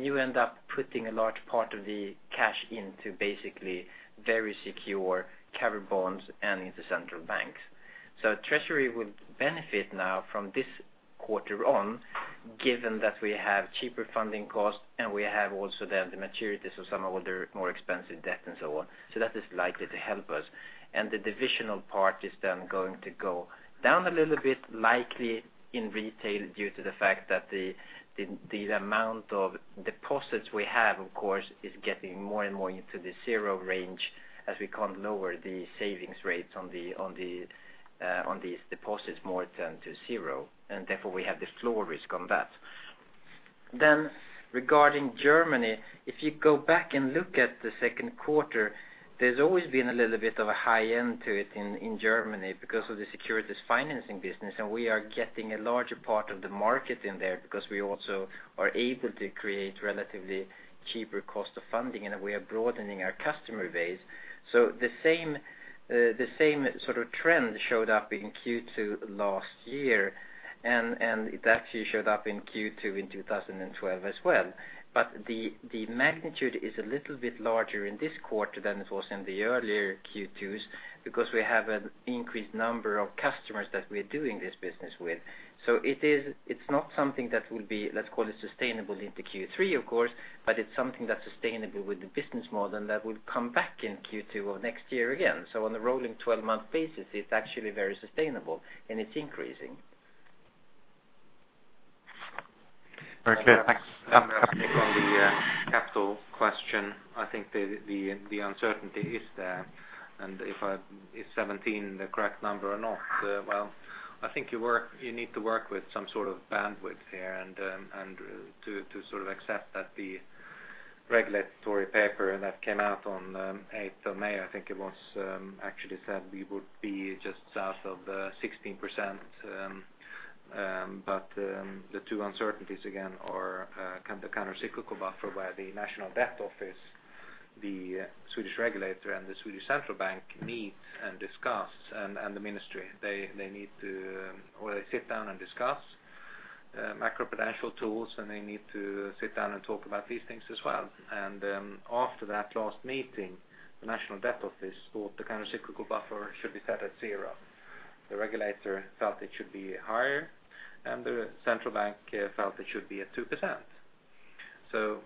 You end up putting a large part of the cash into basically very secure covered bonds and into central banks. Treasury would benefit now from this quarter on, given that we have cheaper funding costs, we have also the maturities of some of their more expensive debt and so on. That is likely to help us. The divisional part is going to go down a little bit likely in retail due to the fact that the amount of deposits we have, of course, is getting more and more into the zero range as we can't lower the savings rates on these deposits more than to zero. Therefore, we have the floor risk on that. Regarding Germany, if you go back and look at the second quarter, there's always been a little bit of a high end to it in Germany because of the securities financing business, and we are getting a larger part of the market in there because we also are able to create relatively cheaper cost of funding and we are broadening our customer base. The same sort of trend showed up in Q2 last year, and it actually showed up in Q2 in 2012 as well. The magnitude is a little bit larger in this quarter than it was in the earlier Q2s because we have an increased number of customers that we're doing this business with. It's not something that will be, let's call it sustainable into Q3, of course, but it's something that's sustainable with the business model and that will come back in Q2 of next year again. On the rolling 12-month basis, it's actually very sustainable, and it's increasing. Okay, thanks. On the capital question, I think the uncertainty is there, and if 17% the correct number or not, well, I think you need to work with some sort of bandwidth here and to accept that the regulatory paper that came out on 8th of May, I think it was actually said we would be just south of 16%. The two uncertainties again are the countercyclical buffer where the National Debt Office, the Swedish regulator, and the Swedish Central Bank meet and discuss, and the ministry. They sit down and discuss macroprudential tools, and they need to sit down and talk about these things as well. After that last meeting, the National Debt Office thought the countercyclical buffer should be set at 0%. The regulator felt it should be higher, and the Central Bank felt it should be at 2%.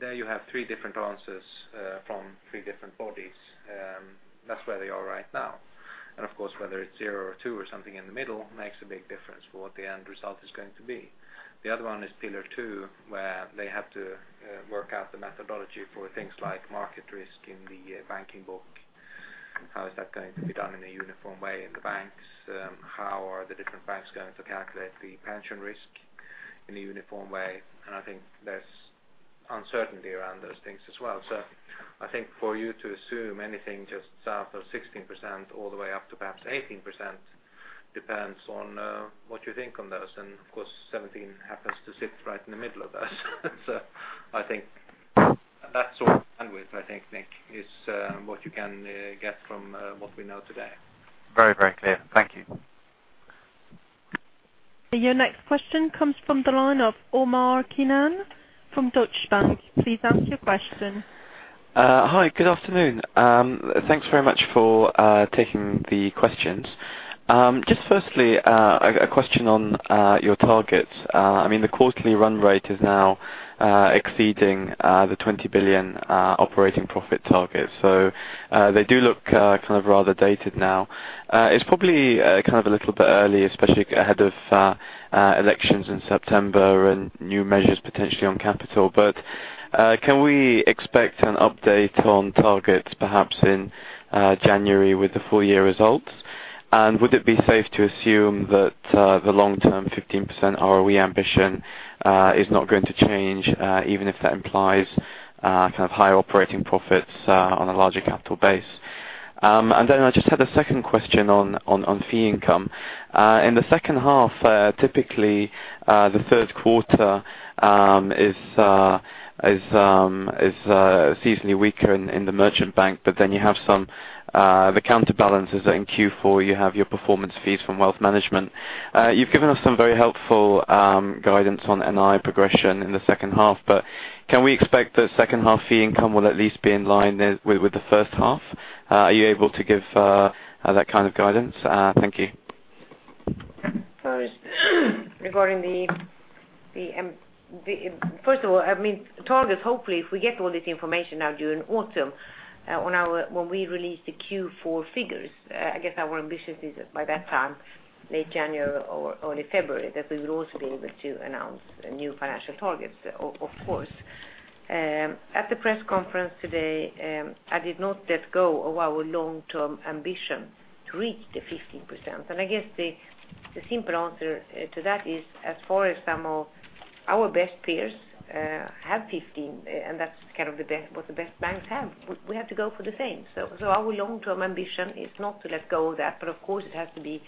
There you have three different answers from three different bodies. That's where they are right now. Whether it's zero or two or something in the middle makes a big difference for what the end result is going to be. The other one is Pillar 2, where they have to work out the methodology for things like market risk in the banking book. How is that going to be done in a uniform way in the banks? How are the different banks going to calculate the pension risk in a uniform way? I think there's uncertainty around those things as well. I think for you to assume anything just south of 16% all the way up to perhaps 18% depends on what you think on those. 17 happens to sit right in the middle of those. I think that sort of bandwidth, I think, Nick, is what you can get from what we know today. Very clear. Thank you. Your next question comes from the line of Omar Keenan from Deutsche Bank. Please ask your question. Hi, good afternoon. Thanks very much for taking the questions. Firstly, a question on your targets. The quarterly run rate is now exceeding the 20 billion operating profit target. They do look rather dated now. It is probably a little bit early, especially ahead of elections in September and new measures potentially on capital. Can we expect an update on targets perhaps in January with the full-year results? Would it be safe to assume that the long-term 15% ROE ambition is not going to change, even if that implies higher operating profits on a larger capital base? I just had a second question on fee income. In the second half, typically the first quarter is seasonally weaker in the Merchant Banking, but the counterbalance is that in Q4 you have your performance fees from wealth management. You have given us some very helpful guidance on NI progression in the second half. Can we expect that second half fee income will at least be in line with the first half? Are you able to give that kind of guidance? Thank you. First of all, targets, hopefully, if we get all this information out during autumn when we release the Q4 figures. I guess our ambition is by that time, late January or early February, that we will also be able to announce new financial targets, of course. At the press conference today, I did not let go of our long-term ambition to reach the 15%. I guess the simple answer to that is as far as some of our best peers have 15%, and that is what the best banks have. We have to go for the same. Our long-term ambition is not to let go of that. Of course, it has to be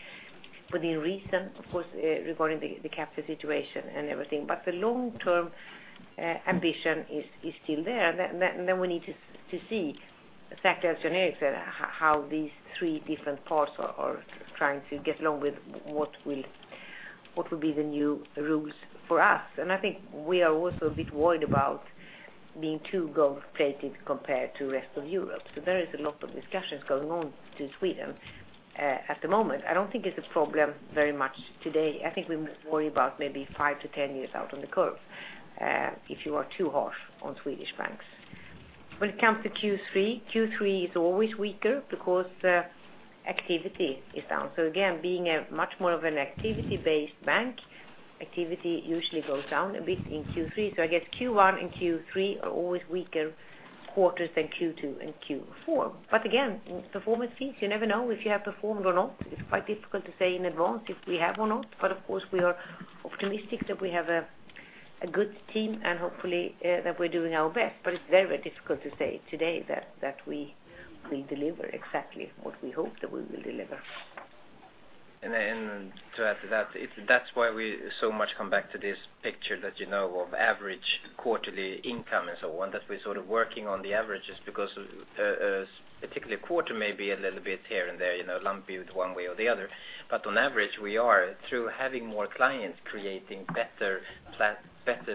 within reason, regarding the capital situation and everything. The long-term ambition is still there. We need to see exactly as Jan Erik said, how these three different parts are trying to get along with what will be the new rules for us. I think we are also a bit worried about being too gold-plated compared to rest of Europe. There is a lot of discussions going on to Sweden at the moment. I do not think it is a problem very much today. I think we must worry about maybe five to 10 years out on the curve if you are too harsh on Swedish banks. When it comes to Q3 is always weaker because activity is down. Again, being a much more of an activity-based bank, activity usually goes down a bit in Q3. I guess Q1 and Q3 are always weaker quarters than Q2 and Q4. Again, performance fees, you never know if you have performed or not. It's quite difficult to say in advance if we have or not, of course we are optimistic that we have a good team and hopefully that we're doing our best. It's very difficult to say today that we will deliver exactly what we hope that we will deliver. To add to that's why we so much come back to this picture that you know of average quarterly income and so on, that we're sort of working on the averages because a particular quarter may be a little bit here and there, lumpy with one way or the other. On average, we are through having more clients, creating better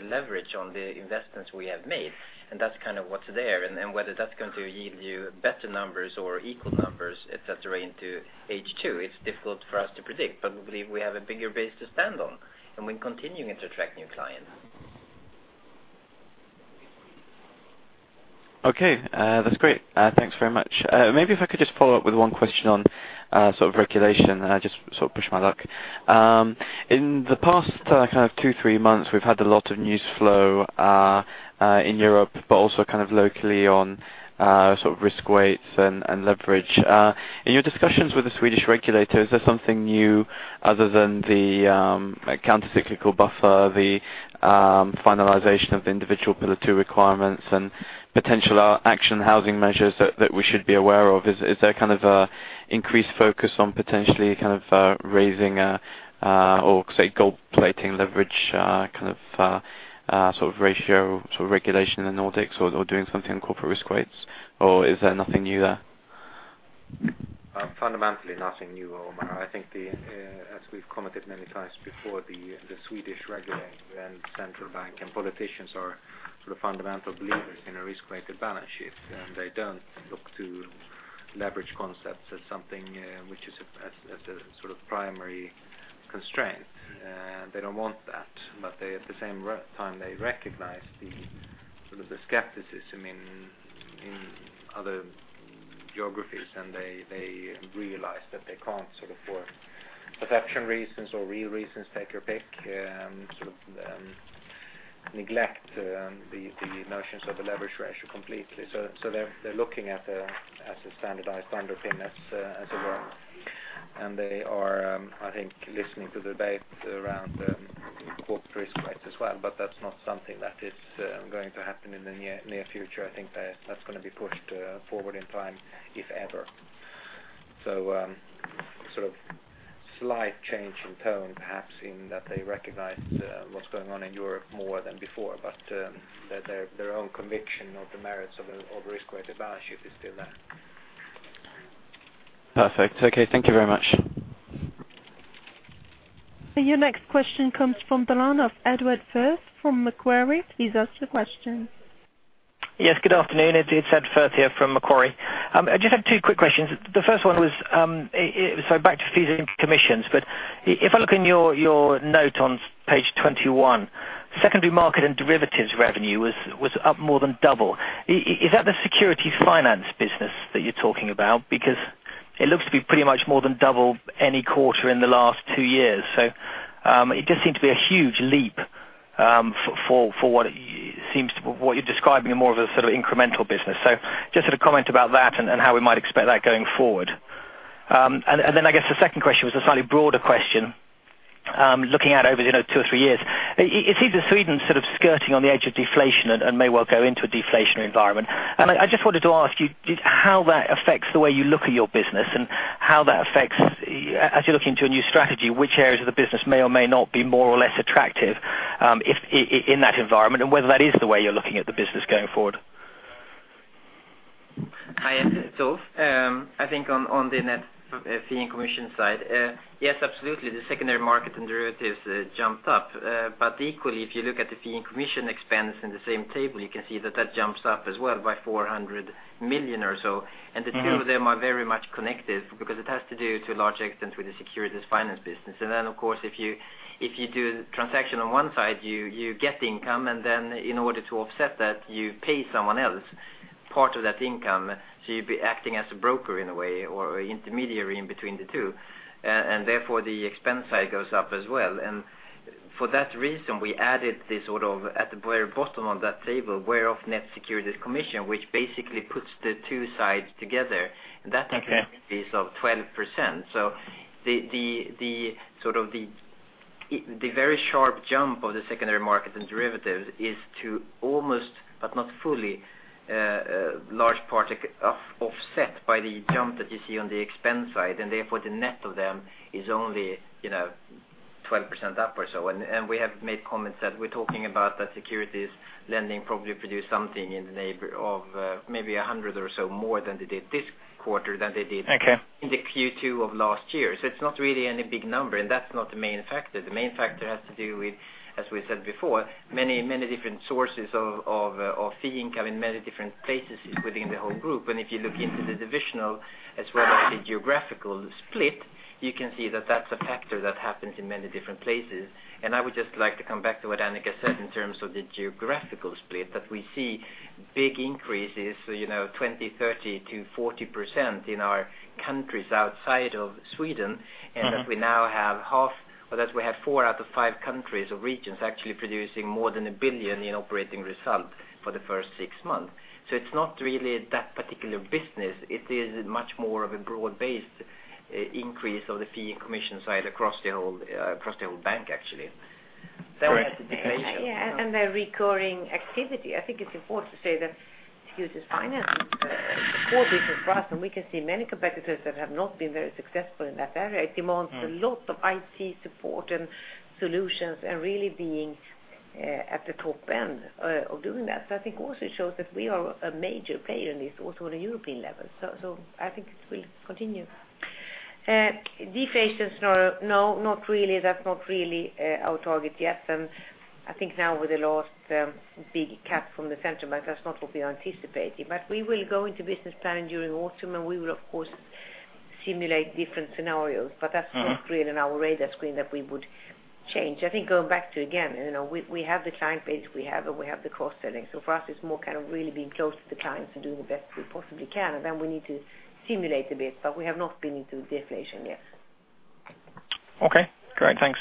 leverage on the investments we have made, and that's what's there. Whether that's going to yield you better numbers or equal numbers, et cetera, into H2, it's difficult for us to predict. We believe we have a bigger base to stand on, and we're continuing to attract new clients. Okay. That's great. Thanks very much. Maybe if I could just follow up with one question on regulation, I just push my luck. In the past two, three months, we've had a lot of news flow in Europe, but also locally on risk weights and leverage. In your discussions with the Swedish regulators, is there something new other than the countercyclical buffer, the finalization of the individual Pillar 2 requirements, and potential action housing measures that we should be aware of? Is there a increased focus on potentially raising or say gold plating leverage ratio regulation in the Nordics or doing something on corporate risk weights, or is there nothing new there? Fundamentally nothing new, Omar. I think as we've commented many times before, the Swedish regulator and central bank and politicians are sort of fundamental believers in a risk-weighted balance sheet, they don't look to Leverage concepts as something which is as a primary constraint. They don't want that, at the same time, they recognize the skepticism in other geographies, they realize that they can't, for perception reasons or real reasons, take your pick, neglect the notions of a leverage ratio completely. They're looking at it as a standardized underpinning as it were. They are, I think, listening to debate around the corporate risk weight as well, that's not something that is going to happen in the near future. I think that's going to be pushed forward in time, if ever. Slight change in tone, perhaps, in that they recognize what's going on in Europe more than before, but their own conviction of the merits of a risk-weighted balance sheet is still there. Perfect. Okay. Thank you very much. Your next question comes from the line of Edward Firth from Macquarie. Please ask the question. Yes, good afternoon. It's Ed Firth here from Macquarie. I just have two quick questions. The first one was, back to fees and commissions. But if I look in your note on page 21, secondary market and derivatives revenue was up more than double. Is that the securities finance business that you're talking about? Because it looks to be pretty much more than double any quarter in the last two years. It just seemed to be a huge leap, for what you're describing in more of a sort of incremental business. Just sort of comment about that and how we might expect that going forward. And then, I guess the second question was a slightly broader question, looking out over two or three years. It seems that Sweden's skirting on the edge of deflation and may well go into a deflationary environment. I just wanted to ask you how that affects the way you look at your business and how that affects, as you look into a new strategy, which areas of the business may or may not be more or less attractive in that environment, and whether that is the way you're looking at the business going forward. Hi, it's Ulf. I think on the net fee and commission side. Yes, absolutely. The secondary market and derivatives jumped up. Equally, if you look at the fee and commission expense in the same table, you can see that that jumps up as well by 400 million or so. The two of them are very much connected because it has to do to a large extent with the securities finance business. Then, of course, if you do transaction on one side, you get income, and then in order to offset that, you pay someone else part of that income. You'd be acting as a broker in a way, or intermediary in between the two. Therefore, the expense side goes up as well. For that reason, we added this at the very bottom of that table, thereof net securities commission, which basically puts the two sides together. Okay That is of 12%. The very sharp jump of the secondary market and derivatives is to almost, but not fully, large part offset by the jump that you see on the expense side, and therefore the net of them is only 12% up or so. We have made comments that we're talking about that securities lending probably produce something in the neighborhood of maybe 100 or so more than they did this quarter. Okay in the Q2 of last year. It's not really any big number, and that's not the main factor. The main factor has to do with, as we said before, many different sources of fee income in many different places within the whole group. If you look into the divisional as well as the geographical split, you can see that that's a factor that happens in many different places. I would just like to come back to what Annika said in terms of the geographical split, that we see big increases, 20%, 30%-40% in our countries outside of Sweden. That we now have four out of five countries or regions actually producing more than 1 billion in operating result for the first six months. It's not really that particular business. It is much more of a broad-based increase of the fee and commission side across the whole bank, actually. Correct. Annika. The recurring activity. I think it's important to say that securities finance is a core business for us, and we can see many competitors that have not been very successful in that area. It demands a lot of IT support and solutions and really being at the top end of doing that. I think also it shows that we are a major player in this also on a European level. I think it will continue. Deflation, no. That's not really our target yet. I think now with the last big cut from the central bank, that's not what we are anticipating. We will go into business planning during autumn, and we will, of course, simulate different scenarios. That's not really on our radar screen that we would change. I think going back to, again, we have the client base we have, and we have the cross-selling. For us, it's more kind of really being close to the clients and doing the best we possibly can. Then we need to simulate a bit, we have not been into deflation yet. Okay, great. Thanks.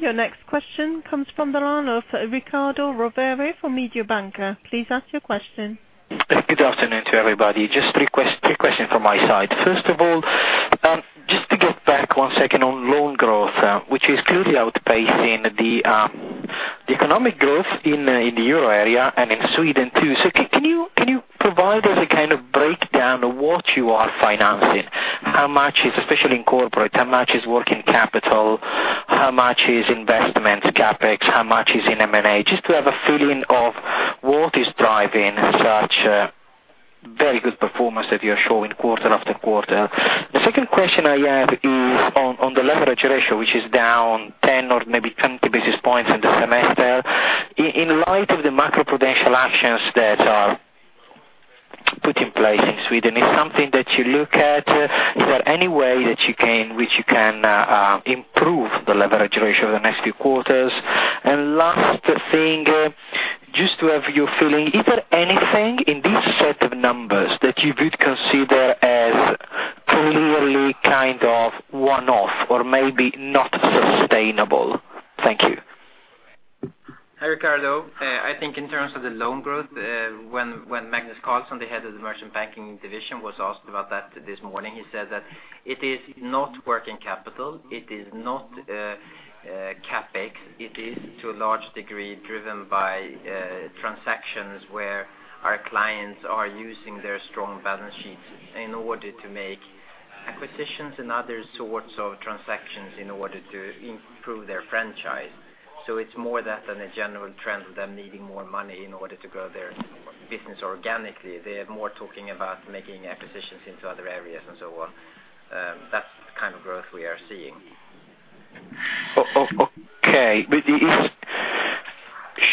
Your next question comes from the line of Riccardo Rovere for Mediobanca. Please ask your question. Good afternoon to everybody. Just three questions from my side. First of all, just to get back one second on loan growth, which is clearly outpacing the economic growth in the Euro area and in Sweden too. Can you provide us a breakdown of what you are financing? How much is, especially in corporate, how much is working capital? How much is investment, CapEx? How much is in M&A? Just to have a feeling of what is driving such very good performance that you are showing quarter after quarter. The second question I have is on the leverage ratio, which is down 10 or maybe 20 basis points in the semester. In light of the macro-prudential actions that are put in place in Sweden, is something that you look at, is there any way which you can improve the leverage ratio in the next few quarters? Last thing, just to have your feeling, is there anything in this set of numbers that you would consider as clearly one-off or maybe not sustainable? Thank you. Hi, Riccardo. I think in terms of the loan growth, when Magnus Carlsson, the Head of Merchant Banking division was asked about that this morning, he said that it is not working capital, it is not CapEx. It is to a large degree driven by transactions where our clients are using their strong balance sheets in order to make acquisitions and other sorts of transactions in order to improve their franchise. It's more that than a general trend of them needing more money in order to grow their business organically. They're more talking about making acquisitions into other areas and so on. That's the kind of growth we are seeing. Okay.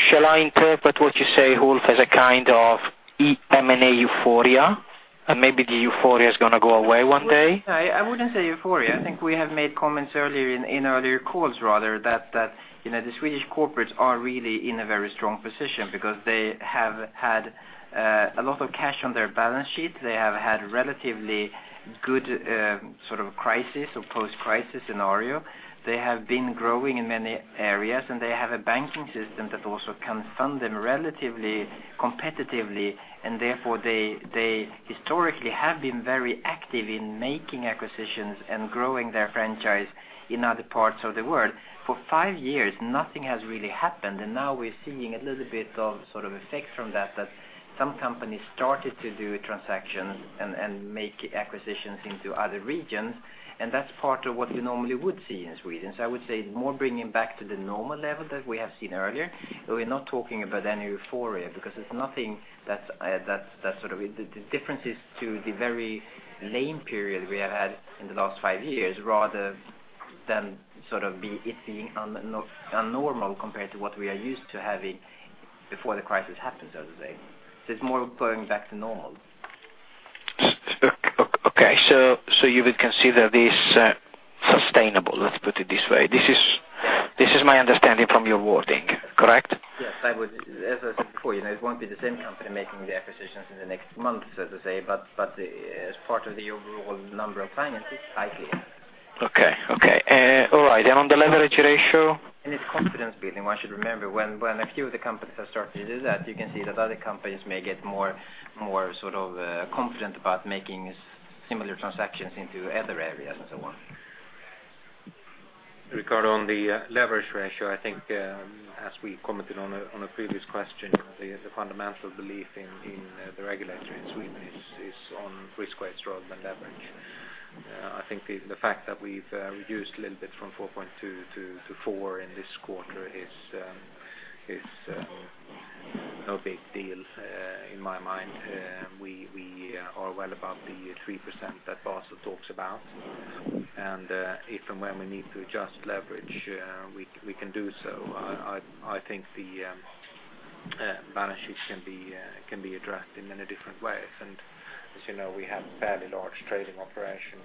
Shall I interpret what you say, Ulf, as a kind of M&A euphoria? Maybe the euphoria is going to go away one day? No, I wouldn't say euphoria. I think we have made comments in earlier calls, rather, that the Swedish corporates are really in a very strong position because they have had a lot of cash on their balance sheet. They have had relatively good crisis or post-crisis scenario. They have been growing in many areas, they have a banking system that also can fund them relatively competitively, therefore they historically have been very active in making acquisitions and growing their franchise in other parts of the world. For five years, nothing has really happened, now we're seeing a little bit of effect from that some companies started to do transactions and make acquisitions into other regions, that's part of what you normally would see in Sweden. I would say more bringing back to the normal level that we have seen earlier. We're not talking about any euphoria because the difference is to the very lame period we have had in the last five years, rather than it being un-normal compared to what we are used to having before the crisis happened, so to say. It's more going back to normal. Okay. You would consider this sustainable, let's put it this way. This is my understanding from your wording, correct? Yes. As I said before, it won't be the same company making the acquisitions in the next month, so to say, but as part of the overall number of clients, it's likely. Okay. All right. On the leverage ratio? It's confidence building. One should remember, when a few of the companies have started to do that, you can see that other companies may get more confident about making similar transactions into other areas and so on. Riccardo, on the leverage ratio, I think as we commented on a previous question, the fundamental belief in the regulatory in Sweden is on risk weights rather than leverage. I think the fact that we've reduced a little bit from 4.2 to 4 in this quarter is no big deal in my mind. We are well above the 3% that Basel talks about. If and when we need to adjust leverage, we can do so. I think the balance sheet can be addressed in many different ways. As you know, we have fairly large trading operation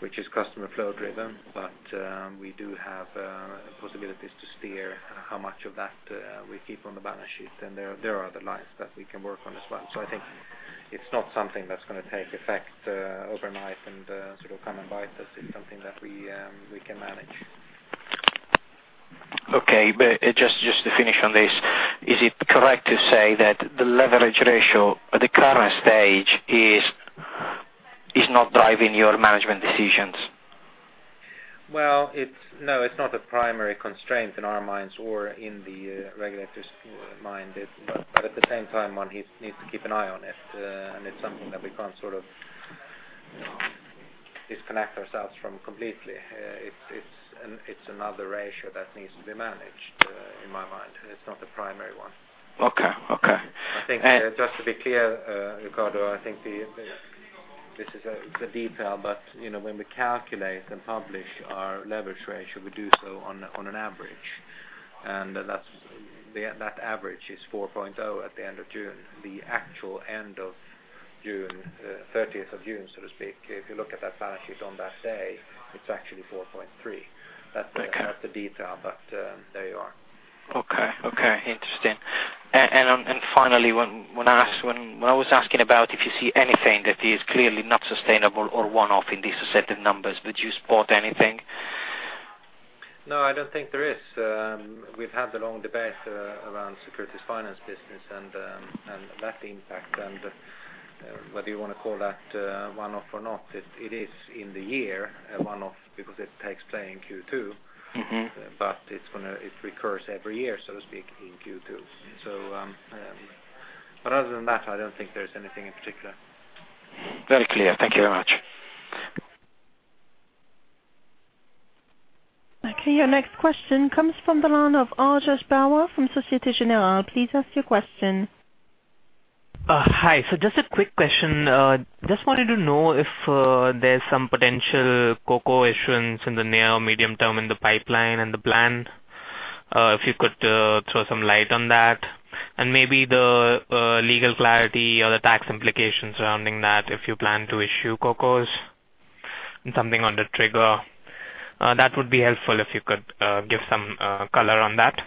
which is customer flow driven, but we do have possibilities to steer how much of that we keep on the balance sheet. There are other lines that we can work on as well. I think it's not something that's going to take effect overnight and come and bite us. It's something that we can manage. Okay. Just to finish on this. Is it correct to say that the leverage ratio at the current stage is not driving your management decisions? Well, no, it's not a primary constraint in our minds or in the regulator's mind. At the same time, one needs to keep an eye on it, and it's something that we can't disconnect ourselves from completely. It's another ratio that needs to be managed, in my mind. It's not the primary one. Okay. Just to be clear, Riccardo, I think this is a detail, when we calculate and publish our leverage ratio, we do so on an average. That average is 4.0 at the end of June. The actual end of June, 30th of June, so to speak, if you look at that balance sheet on that day, it's actually 4.3. That's the detail, there you are. Okay. Interesting. Finally, when I was asking about if you see anything that is clearly not sustainable or one-off in these set of numbers, did you spot anything? No, I don't think there is. We've had the long debate around securities finance business and that impact and whether you want to call that a one-off or not. It is in the year a one-off because it takes place in Q2. It recurs every year, so to speak, in Q2. Other than that, I don't think there's anything in particular. Very clear. Thank you very much. Okay, your next question comes from the line of Arjesh Bhawa from Societe Generale. Please ask your question. Hi. Just a quick question. Just wanted to know if there's some potential CoCo issuance in the near medium term in the pipeline and the plan, if you could throw some light on that and maybe the legal clarity or the tax implications surrounding that if you plan to issue CoCos and something on the trigger. That would be helpful if you could give some color on that.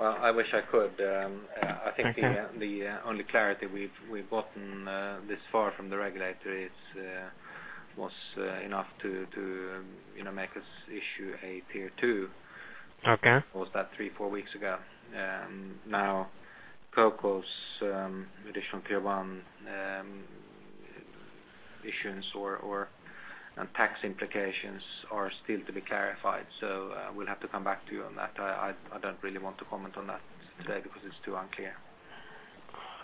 Well, I wish I could. I think the only clarity we've gotten this far from the regulator was enough to make us issue a Tier 2. Okay. Was that three, four weeks ago. CoCos additional Tier 1 issuance or tax implications are still to be clarified. We'll have to come back to you on that. I don't really want to comment on that today because it's too unclear.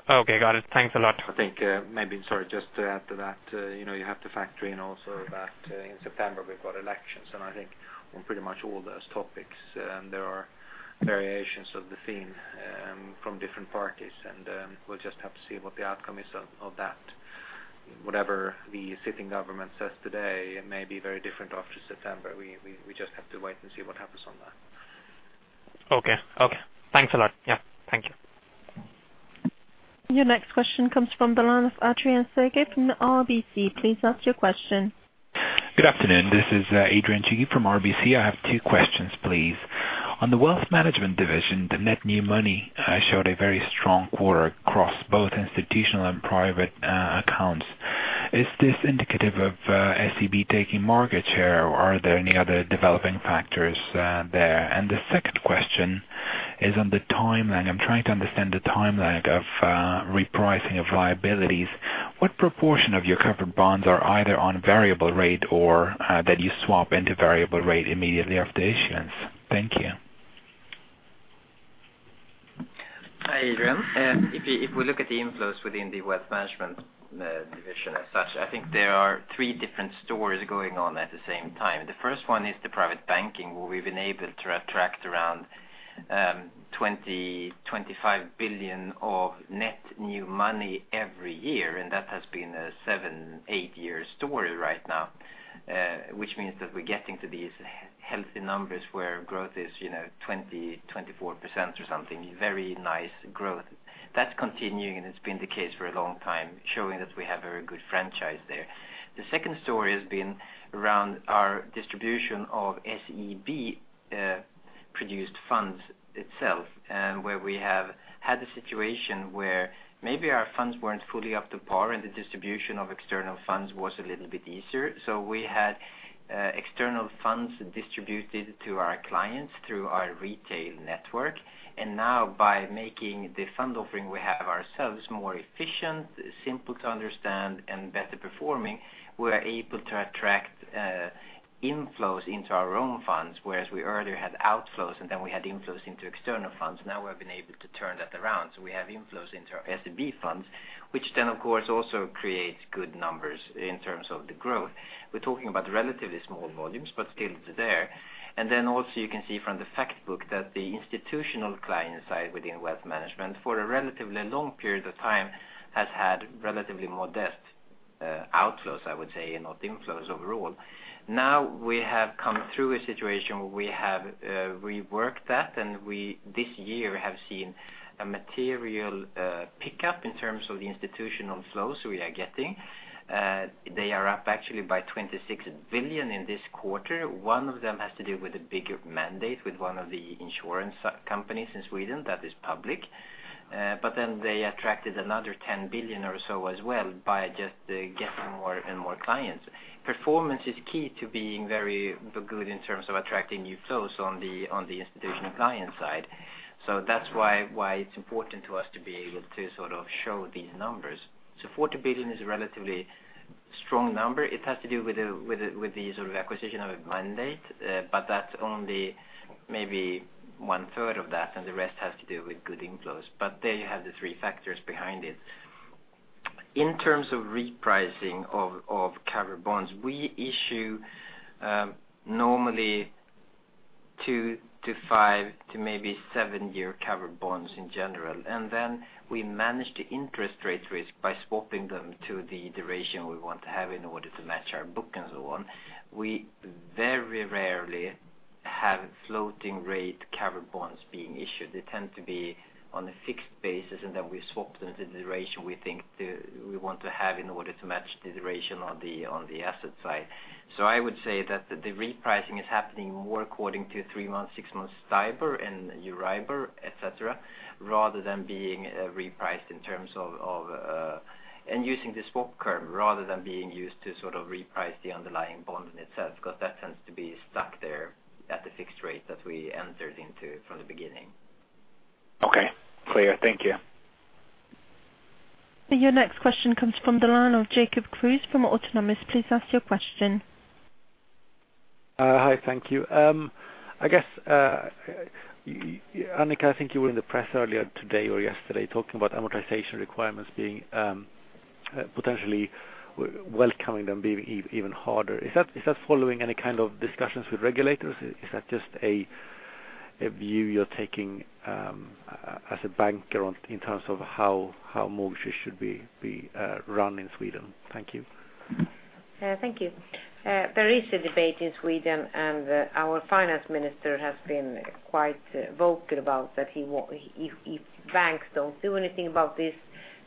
Okay, got it. Thanks a lot. I think maybe, sorry, just to add to that, you have to factor in also that in September we've got elections and I think on pretty much all those topics there are variations of the theme from different parties and we'll just have to see what the outcome is of that. Whatever the sitting government says today, it may be very different after September. We just have to wait and see what happens on that. Okay. Thanks a lot. Yeah. Thank you. Your next question comes from the line of Adrian Tsay from RBC. Please ask your question. Good afternoon. This is Adrian Tsay from RBC. I have two questions please. On the wealth management division, the net new money showed a very strong quarter across both institutional and private accounts. Is this indicative of SEB taking market share or are there any other developing factors there? The second question is on the timeline. I'm trying to understand the timeline of repricing of liabilities. What proportion of your covered bonds are either on variable rate or that you swap into variable rate immediately after issuance? Thank you. Hi Adrian. If we look at the inflows within the wealth management division as such, I think there are three different stories going on at the same time. The first one is the private banking where we've been able to attract around $20 billion, $25 billion of net new money every year and that has been a seven, eight year story right now, which means that we're getting to these healthy numbers where growth is 20%, 24% or something. Very nice growth. That's continuing and it's been the case for a long time, showing that we have very good franchise there. The second story has been around our distribution of SEB produced funds itself, where we have had a situation where maybe our funds weren't fully up to par and the distribution of external funds was a little bit easier. We had external funds distributed to our clients through our retail network, by making the fund offering we have ourselves more efficient, simple to understand, and better performing, we're able to attract inflows into our own funds, whereas we earlier had outflows, we had inflows into external funds. We've been able to turn that around. We have inflows into our SEB funds, which then of course also creates good numbers in terms of the growth. We're talking about relatively small volumes, but still it's there. Also you can see from the fact book that the institutional client side within wealth management for a relatively long period of time has had relatively modest outflows, I would say, and not inflows overall. We have come through a situation where we have reworked that and we this year have seen a material pickup in terms of the institutional flows we are getting. They are up actually by 26 billion in this quarter. One of them has to do with a bigger mandate with one of the insurance companies in Sweden that is public. They attracted another 10 billion or so as well by just getting more and more clients. Performance is key to being very good in terms of attracting new flows on the institutional client side. That's why it's important to us to be able to show these numbers. 40 billion is a relatively strong number. It has to do with the acquisition of a mandate, but that's only maybe one third of that and the rest has to do with good inflows. There you have the three factors behind it. In terms of repricing of covered bonds, we issue normally two to five to maybe seven-year covered bonds in general, and then we manage the interest rate risk by swapping them to the duration we want to have in order to match our book and so on. We very rarely have floating rate covered bonds being issued. They tend to be on a fixed basis, and then we swap them to the duration we think we want to have in order to match the duration on the asset side. I would say that the repricing is happening more according to three-month, six-month STIBOR and EURIBOR, et cetera, rather than being repriced in terms of using the swap curve rather than being used to reprice the underlying bond in itself, because that tends to be stuck there at the fixed rate that we entered into from the beginning. Okay. Clear. Thank you. Your next question comes from the line of Jacob Kruse from Autonomous. Please ask your question. Hi. Thank you. Annika, I think you were in the press earlier today or yesterday talking about amortization requirements being potentially welcoming them being even harder. Is that following any kind of discussions with regulators? Is that just a view you're taking as a banker in terms of how mortgages should be run in Sweden? Thank you. Thank you. There is a debate in Sweden, our finance minister has been quite vocal about that if banks don't do anything about this,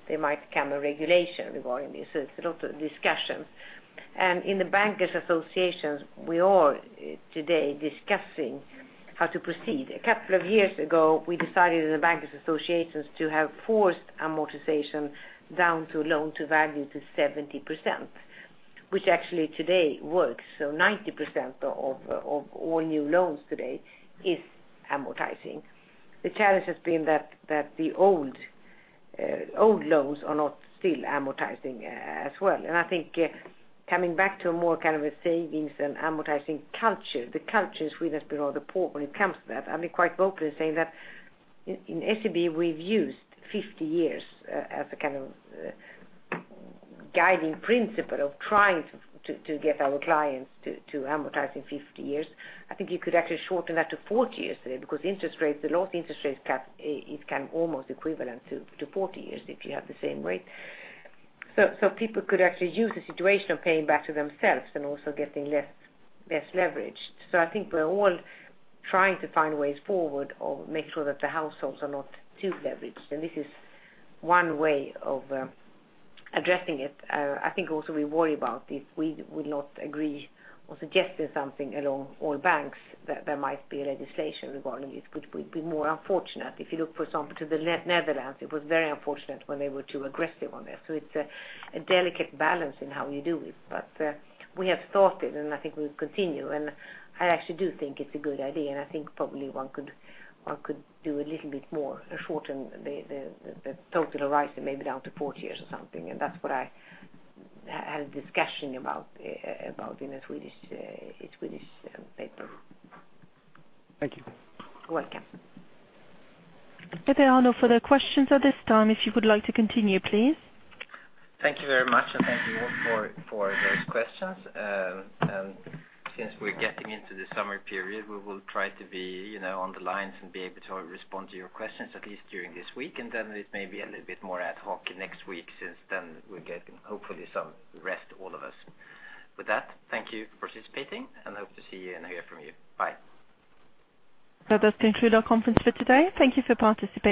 there might come a regulation regarding this. It's a lot of discussions. In the Swedish Bankers' Association, we are today discussing how to proceed. A couple of years ago, we decided in the Swedish Bankers' Association to have forced amortization down to loan-to-value to 70%, which actually today works. 90% of all new loans today is amortizing. The challenge has been that the old loans are not still amortizing as well. I think coming back to more of a savings and amortizing culture, the culture in Sweden has been rather poor when it comes to that. I've been quite vocal in saying that in SEB, we've used 50 years as a kind of guiding principle of trying to get our clients to amortizing 50 years. I think you could actually shorten that to 40 years today because the lowest interest rates cut, it can almost equivalent to 40 years if you have the same rate. People could actually use the situation of paying back to themselves and also getting less leveraged. I think we're all trying to find ways forward or make sure that the households are not too leveraged, and this is one way of addressing it. I think also we worry about if we will not agree or suggesting something along all banks, that there might be legislation regarding this, which would be more unfortunate. If you look, for example, to the Netherlands, it was very unfortunate when they were too aggressive on this. It's a delicate balance in how you do it. We have started, and I think we'll continue. I actually do think it's a good idea, and I think probably one could do a little bit more to shorten the total horizon, maybe down to 40 years or something. That's what I had a discussion about in a Swedish paper. Thank you. You're welcome. There are no further questions at this time. If you would like to continue, please. Thank you very much, thank you all for those questions. Since we're getting into the summer period, we will try to be on the lines and be able to respond to your questions, at least during this week. Then it may be a little bit more ad hoc next week since then we're getting, hopefully, some rest, all of us. With that, thank you for participating, and hope to see you and hear from you. Bye. That concludes our conference for today. Thank you for participating.